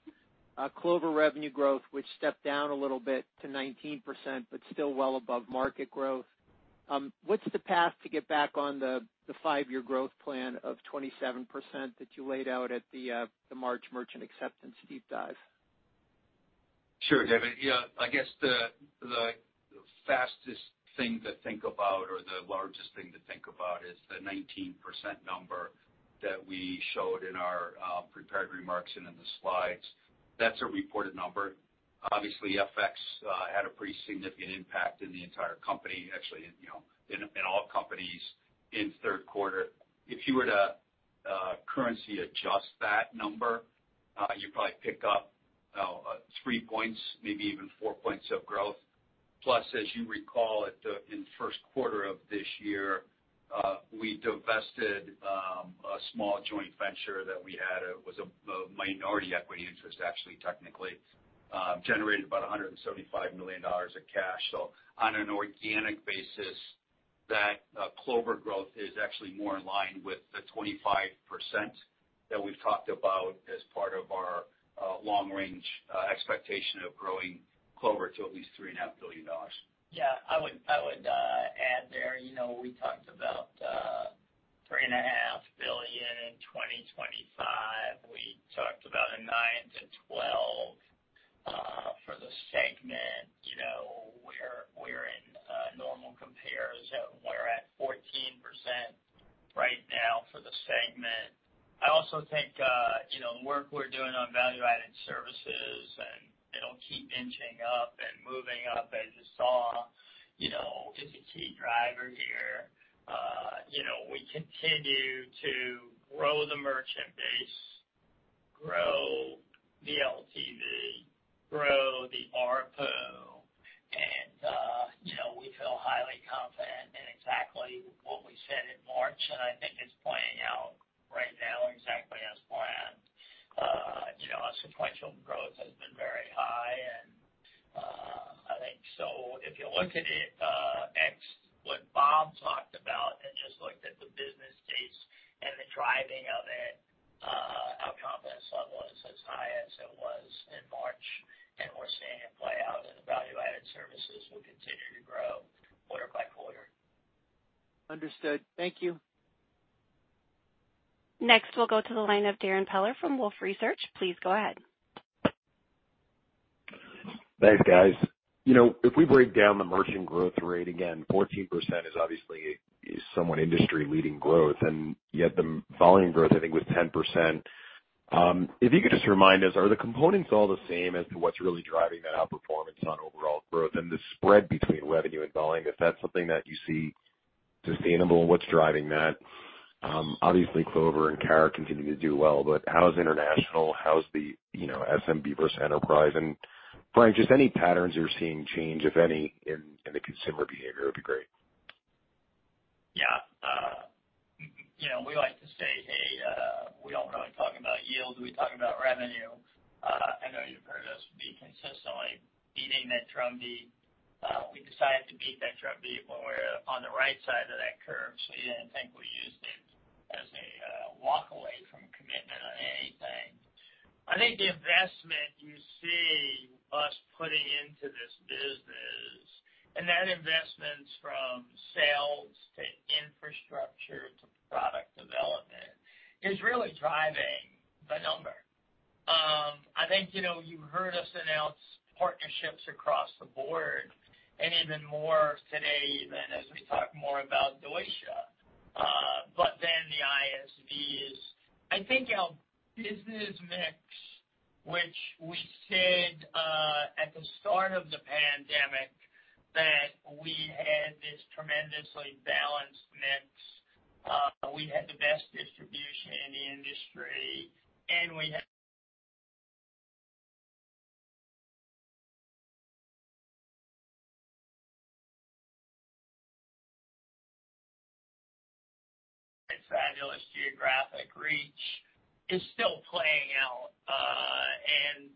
Clover revenue growth, which stepped down a little bit to 19%, but still well above market growth. What's the path to get back on the five-year growth plan of 27% that you laid out at the March merchant acceptance deep dive? Sure, David. Yeah. I guess the fastest thing to think about or the largest thing to think about is the 19% number that we showed in our prepared remarks and in the slides. That's a reported number. Obviously, FX had a pretty significant impact in the entire company, actually in, you know, all companies in third quarter. If you were to currency adjust that number, you probably pick up 3 points, maybe even 4 points of growth. Plus, as you recall, in the first quarter of this year, we divested a small joint venture that we had. It was a minority equity interest, actually, technically. Generated about $175 million of cash. On an organic basis, that Clover growth is actually more in line with the 25% that we've talked about as part of our long-range expectation of growing Clover to at least $3.5 billion. Yeah, I would add there, you know, we talked about $3.5 billion in 2025. We talked about a 9%-12% for the segment. You know, we're in normal comps, we're at 14% right now for the segment. I also think, you know, the work we're doing on value-added services and it'll keep inching up and moving up as you saw, you know, is a key driver here. You know, we continue to grow the merchant base, grow the LTV, grow the ARPU, and feel highly confident in exactly what we said in March, and I think it's playing out right now exactly as planned. You know, our sequential growth has been very high and, I think so if you look at it, ex what Bob talked about and just looked at the business case and the driving of it, our confidence level is as high as it was in March, and we're seeing it play out, and the value-added services will continue to grow quarter by quarter. Understood. Thank you. Next, we'll go to the line of Darrin Peller from Wolfe Research. Please go ahead. Thanks, guys. You know, if we break down the merchant growth rate again, 14% is obviously somewhat industry-leading growth, and yet the volume growth I think was 10%. If you could just remind us, are the components all the same as to what's really driving that outperformance on overall growth and the spread between revenue and volume, if that's something that you see sustainable and what's driving that? Obviously, Clover and Carat continue to do well, but how's international, how's the, you know, SMB versus enterprise? Frank, just any patterns you're seeing change, if any, in the consumer behavior would be great. Yeah. You know, we like to say, hey, we don't really talk about yield, we talk about revenue. I know you've heard us be consistently beating that drumbeat. We decided to beat that drumbeat when we're on the right side of that curve, so we didn't think we used it as a walk away from commitment on anything. I think the investment you see us putting into this business, and that investment's from sales to infrastructure to product development, is really driving the number. I think, you know, you heard us announce partnerships across the board and even more today even as we talk more about Deutsche Bank. But then the ISV is, I think, our business mix, which we said at the start of the pandemic, that we had this tremendously balanced mix. We had the best distribution in the industry, and we had fabulous geographic reach is still playing out.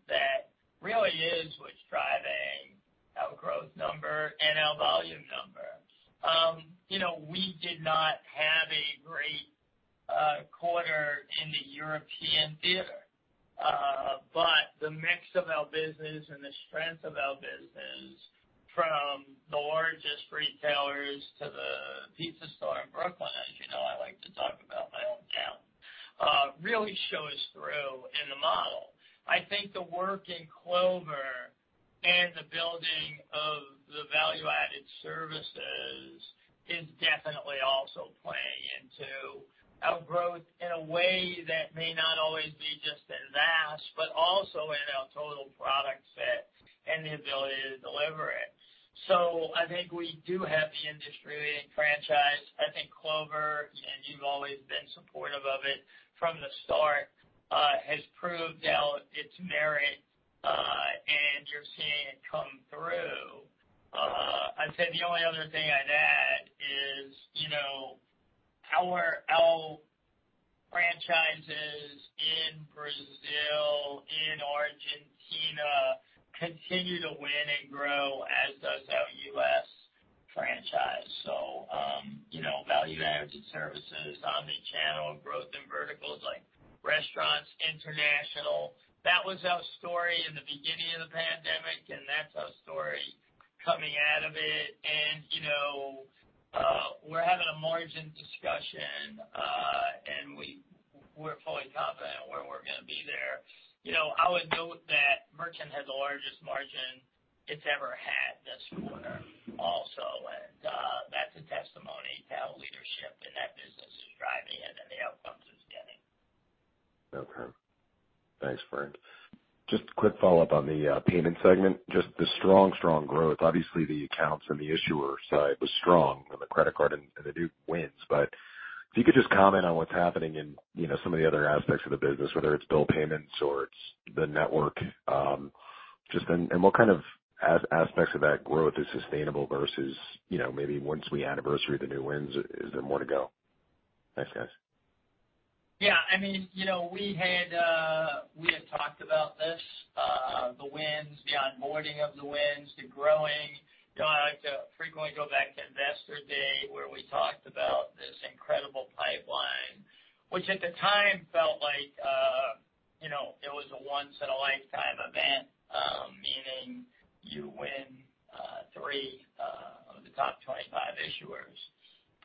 That really is what's driving our growth number and our volume number. You know, we did not have a great quarter in the European theater. The mix of our business and the strength of our business, from the largest retailers to the pizza store in Brooklyn, as you know, I like to talk about my own town, really shows through in the model. I think the work in Clover and the building of the value-added services is definitely also playing into our growth in a way that may not always be just in VAS, but also in our total product set and the ability to deliver it. I think we do have the industry-leading franchise. I think Clover, and you've always been supportive of it from the start, has proved out its merit, and you're seeing it come through. I'd say the only other thing I'd add is, you know, our franchises in Brazil, in Argentina continue to win and grow, as does our U.S. franchise. You know, value-added services, omnichannel growth in verticals like restaurants, international. That was our story in the beginning of the pandemic, and that's our story coming out of it. You know, we're having a margin discussion, and we're fully confident where we're gonna be there. You know, I would note that merchant had the largest margin it's ever had this quarter also. That's a testimony to our leadership in that business who's driving it and the outcomes it's getting. Okay. Thanks, Frank. Just a quick follow-up on the payment segment, just the strong growth. Obviously, the accounts and the issuer side was strong on the credit card and the new wins. But if you could just comment on what's happening in, you know, some of the other aspects of the business, whether it's bill payments or it's the network, just and what kind of aspects of that growth is sustainable versus, you know, maybe once we anniversary the new wins, is there more to go? Thanks, guys. Yeah, I mean, you know, we had talked about this, the wins, the onboarding of the wins, the growing. You know, I have to frequently go back to Investor Day, where we talked about this incredible pipeline, which at the time felt like, you know, it was a once in a lifetime event, meaning you win three of the top 25 issuers.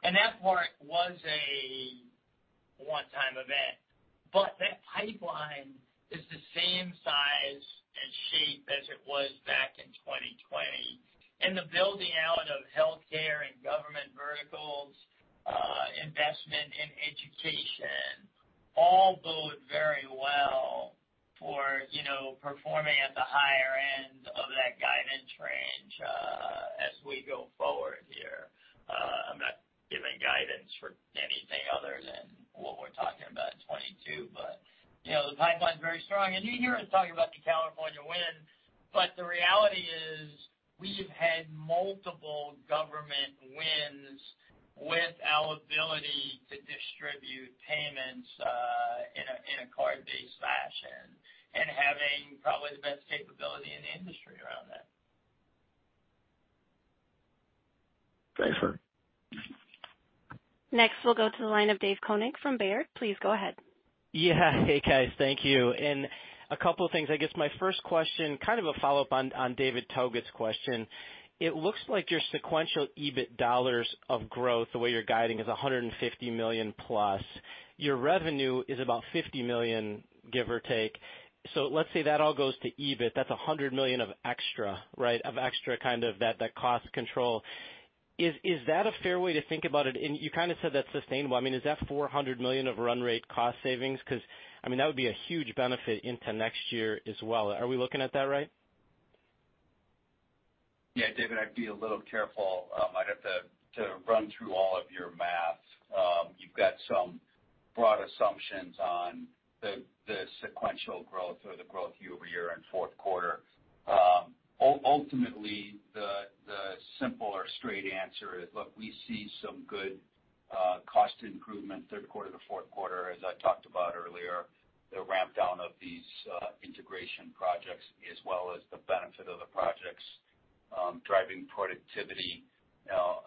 That part was a one-time event. That pipeline is the same size and shape as it was back in 2020. The building out of healthcare and government verticals, investment in education all bode very well for, you know, performing at the higher end of that guidance range, as we go forward here. Guidance for anything other than what we're talking about in 2022. You know, the pipeline's very strong. You hear us talk about the California win, but the reality is we have had multiple government wins with our ability to distribute payments in a card-based fashion and having probably the best capability in the industry around that. Thanks, sir. Next, we'll go to the line of David Koning from Baird. Please go ahead. Yeah. Hey, guys. Thank you. A couple things. I guess my first question, kind of a follow-up on David Togut's question. It looks like your sequential EBIT dollars of growth, the way you're guiding, is $150 million+. Your revenue is about $50 million, give or take. So let's say that all goes to EBIT, that's $100 million of extra, right? Of extra kind of that cost control. Is that a fair way to think about it? You kinda said that's sustainable. I mean, is that $400 million of run rate cost savings? 'Cause, I mean, that would be a huge benefit into next year as well. Are we looking at that right? Yeah, David, I'd be a little careful. I'd have to run through all of your math. You've got some broad assumptions on the sequential growth or the growth year-over-year in fourth quarter. Ultimately, the simpler straight answer is, look, we see some good cost improvement third quarter to fourth quarter, as I talked about earlier. The ramp down of these integration projects as well as the benefit of the projects driving productivity, you know,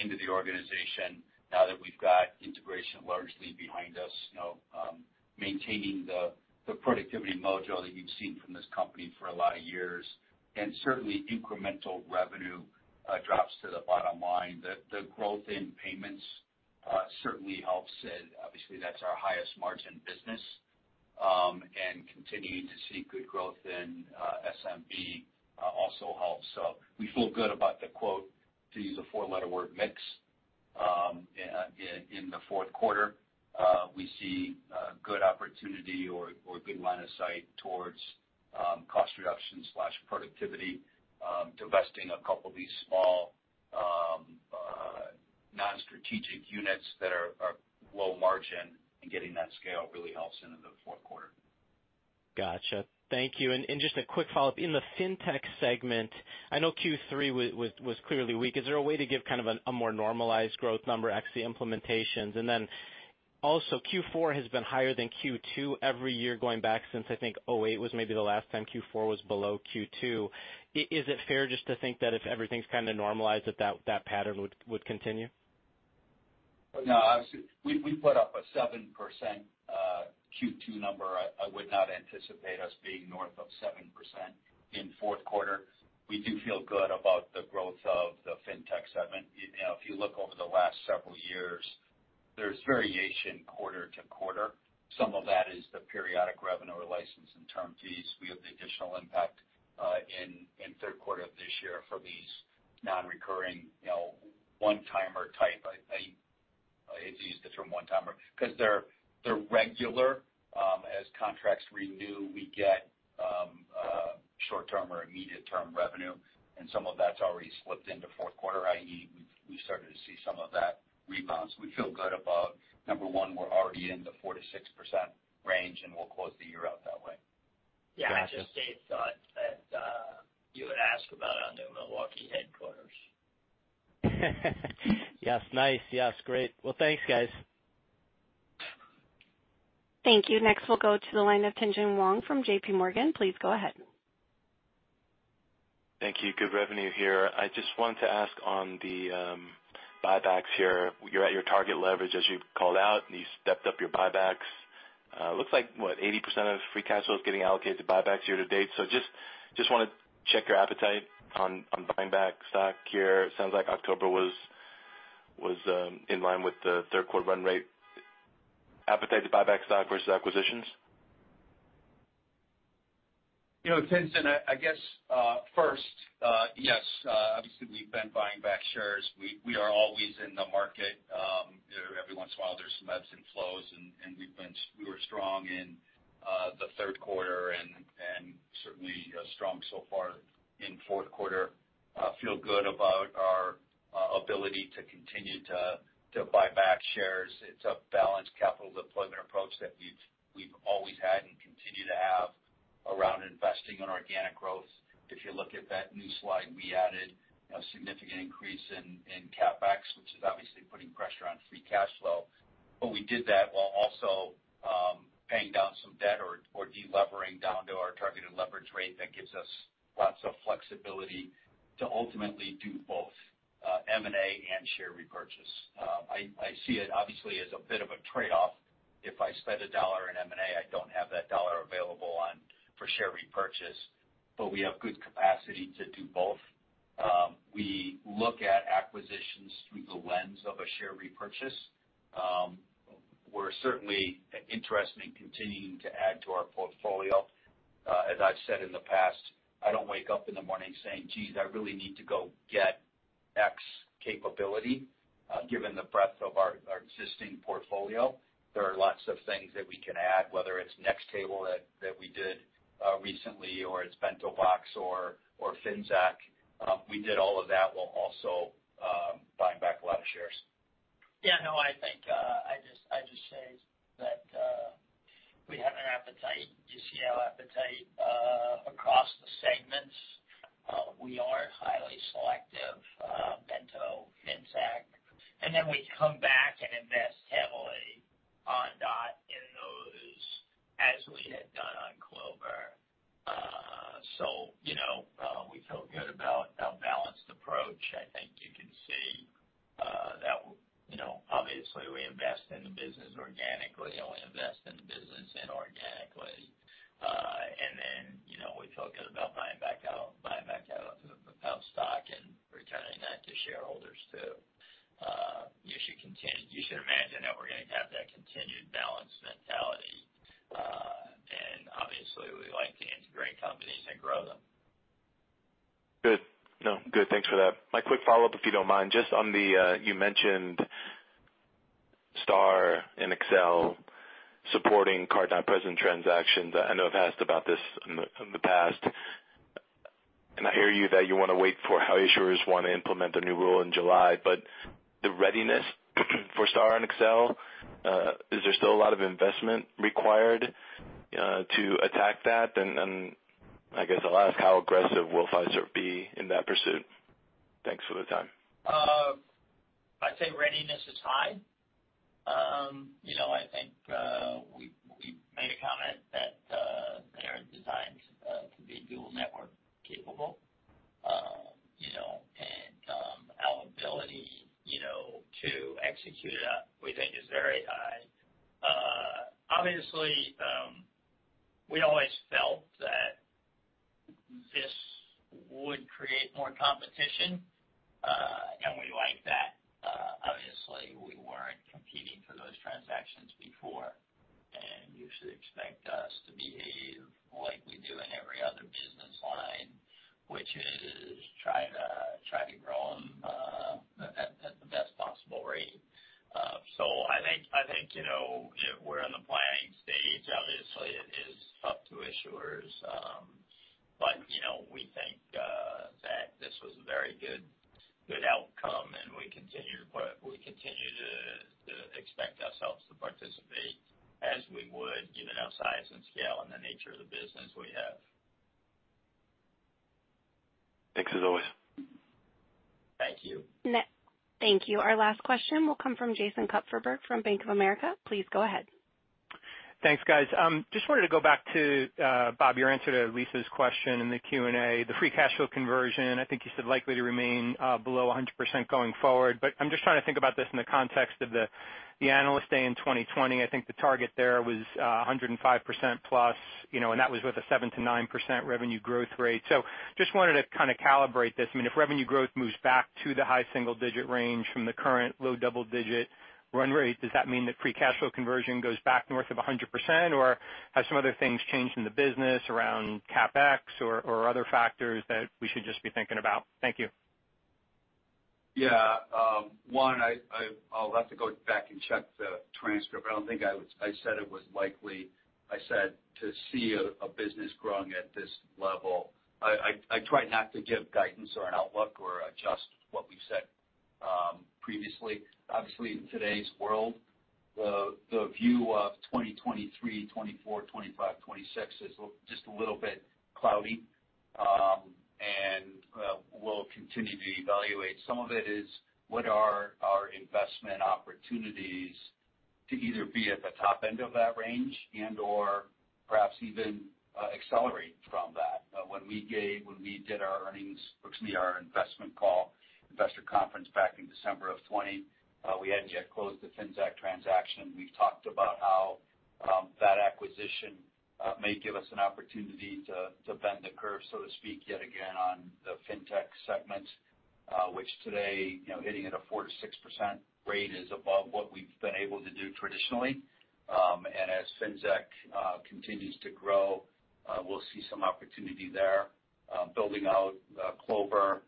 into the organization now that we've got integration largely behind us. You know, maintaining the productivity mojo that you've seen from this company for a lot of years, and certainly incremental revenue drops to the bottom line. The growth in payments certainly helps it. Obviously, that's our highest margin business. Continuing to see good growth in SMB also helps. We feel good about the, quote, to use a four-letter word, mix in the fourth quarter. We see good opportunity or good line of sight towards cost reduction/productivity, divesting a couple of these small non-strategic units that are low margin and getting that scale really helps into the fourth quarter. Gotcha. Thank you. Just a quick follow-up. In the Fintech segment, I know Q3 was clearly weak. Is there a way to give kind of a more normalized growth number, actually implementations? Also, Q4 has been higher than Q2 every year going back since, I think, 2008 was maybe the last time Q4 was below Q2. Is it fair just to think that if everything's kinda normalized, that pattern would continue? No, obviously, we put up a 7% Q2 number. I would not anticipate us being north of 7% in fourth quarter. We do feel good about the growth of the Fintech segment. You know, if you look over the last several years, there's variation quarter to quarter. Some of that is the periodic revenue or license and term fees. We have the additional impact in third quarter of this year for these non-recurring, you know, one-timer type. I hate to use the term one-timer, 'cause they're regular. As contracts renew, we get short-term or immediate term revenue, and some of that's already slipped into fourth quarter, i.e., we've started to see some of that rebound. We feel good about, number one, we're already in the 4%-6% range, and we'll close the year out that way. Gotcha. Yeah. I just, Dave, thought that you would ask about our new Milwaukee headquarters. Yes. Nice. Yes. Great. Well, thanks, guys. Thank you. Next, we'll go to the line of Tien-Tsin Huang from JPMorgan. Please go ahead. Thank you. Good revenue here. I just wanted to ask on the buybacks here. You're at your target leverage as you've called out, and you stepped up your buybacks. Looks like what? 80% of free cash flow is getting allocated to buybacks year to date. Just wanna check your appetite on buying back stock here. Sounds like October was in line with the third quarter run rate. Appetite to buy back stock versus acquisitions? You know, Tien-Tsin Huang, I guess, first, yes, obviously we've been buying back shares. We are always in the market. Every once in a while there's some ebbs and flows and we were strong in the third quarter and certainly strong so far in fourth quarter. Feel good about our ability to continue to buy back shares. It's a balanced capital deployment approach that we've always had and continue to have around investing in organic growth. If you look at that new slide, we added a significant increase in CapEx, which is obviously putting pressure on free cash flow. But we did that while also paying down some debt or delevering down to our targeted leverage rate that gives us lots of flexibility to ultimately do both M&A and share repurchase. I see it obviously as a bit of a trade-off. If I spend $1 in M&A, I don't have that $1 available one for share repurchase, but we have good capacity to do both. We look at acquisitions through the lens of a share repurchase. We're certainly interested in continuing to add to our portfolio. As I've said in the past, I don't wake up in the morning saying, "Geez, I really need to go get X capability," given the existing portfolio. There are lots of things that we can add, whether it's NexTable that we did recently, or it's BentoBox or Finxact. We did all of that while also buying back a lot of shares. Yeah, no, I think I just say that we have an appetite. You see our appetite across the segments. We are highly selective, BentoBox, Finxact. Then we come back and invest heavily in Ondot in those as we had done on Clover. You know, we feel good about a balanced approach. I think you can see that, you know, obviously we invest in the business organically and we invest in the business inorganically. You know, we feel good about buying back our stock and returning that to shareholders too. You should imagine that we're gonna have that continued balanced mentality. Obviously we like to integrate companies and grow them. Good. No, good. Thanks for that. My quick follow-up, if you don't mind, just on the, you mentioned STAR and Accel supporting card not present transactions. I know I've asked about this in the past, and I hear you that you wanna wait for how issuers wanna implement the new rule in July. The readiness for STAR and Accel, is there still a lot of investment required, to attack that? I guess I'll ask, how aggressive will Fiserv be in that pursuit? Thanks for the time. I'd say readiness is high. You know, I think we made a comment that they are designed to be dual network capable. You know, our ability, you know, to execute it, we think is very high. Obviously, we always felt that this would create more competition, and we like that. Obviously, we weren't competing for those transactions before, and you should expect us to behave like we do in every other business line, which is try to grow them at the best possible rate. I think you know we're in the planning stage. Obviously, it is up to issuers. You know, we think that this was a very good outcome and we continue to expect ourselves to participate as we would given our size and scale and the nature of the business we have. Thanks as always. Thank you. Thank you. Our last question will come from Jason Kupferberg from Bank of America. Please go ahead. Thanks, guys. Just wanted to go back to Bob, your answer to Lisa's question in the Q&A, the free cash flow conversion. I think you said likely to remain below 100% going forward. I'm just trying to think about this in the context of the Analyst Day in 2020. I think the target there was 105%+, you know, and that was with a 7%-9% revenue growth rate. Just wanted to kinda calibrate this. I mean, if revenue growth moves back to the high-single-digit range from the current low double digit run rate, does that mean that free cash flow conversion goes back north of 100%? Or have some other things changed in the business around CapEx or other factors that we should just be thinking about? Thank you. Yeah. I'll have to go back and check the transcript. I don't think I said it was likely. I said to see a business growing at this level. I try not to give guidance or an outlook or adjust what we've said previously. Obviously, in today's world, the view of 2023, 2024, 2025, 2026 is just a little bit cloudy. We'll continue to evaluate. Some of it is what are our investment opportunities to either be at the top end of that range and/or perhaps even accelerate from that. When we did our earnings, excuse me, our investment call, investor conference back in December of 2020, we hadn't yet closed the Finxact transaction. We've talked about how that acquisition may give us an opportunity to bend the curve, so to speak, yet again, on the Fintech segment, which today, you know, hitting at a 4%-6% rate is above what we've been able to do traditionally. As Finxact continues to grow, we'll see some opportunity there, building out Clover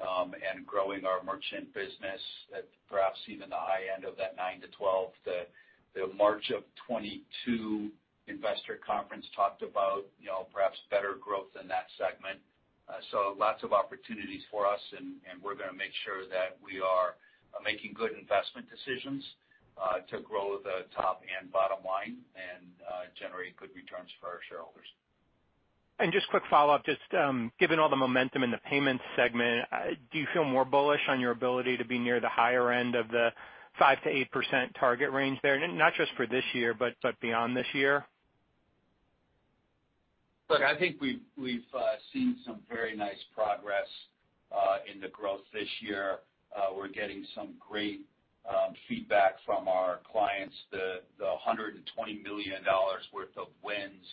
and growing our merchant business at perhaps even the high end of that 9%-12%. The March of 2022 investor conference talked about, you know, perhaps better growth in that segment. Lots of opportunities for us and we're gonna make sure that we are making good investment decisions to grow the top and bottom line and generate good returns for our shareholders. Just quick follow-up. Just given all the momentum in the payments segment, do you feel more bullish on your ability to be near the higher end of the 5%-8% target range there? Not just for this year, but beyond this year? Look, I think we've seen some very nice progress in the growth this year. We're getting some great feedback from our clients. The $120 million worth of wins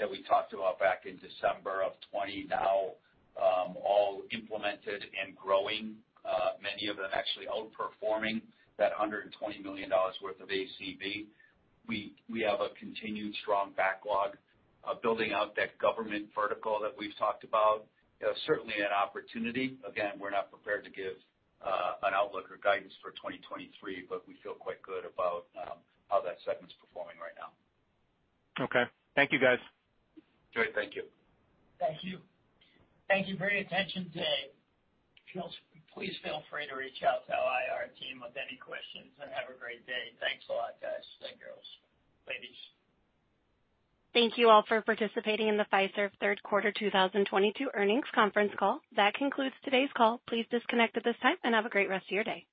that we talked about back in December of 2020, now all implemented and growing, many of them actually outperforming that $120 million worth of ACV. We have a continued strong backlog. Building out that government vertical that we've talked about certainly an opportunity. Again, we're not prepared to give an outlook or guidance for 2023, but we feel quite good about how that segment's performing right now. Okay. Thank you, guys. Great. Thank you. Thank you. Thank you for your attention today. Please feel free to reach out to our IR team with any questions, and have a great day. Thanks a lot, guys and girls, ladies. Thank you all for participating in the Fiserv third quarter 2022 earnings conference call. That concludes today's call. Please disconnect at this time, and have a great rest of your day.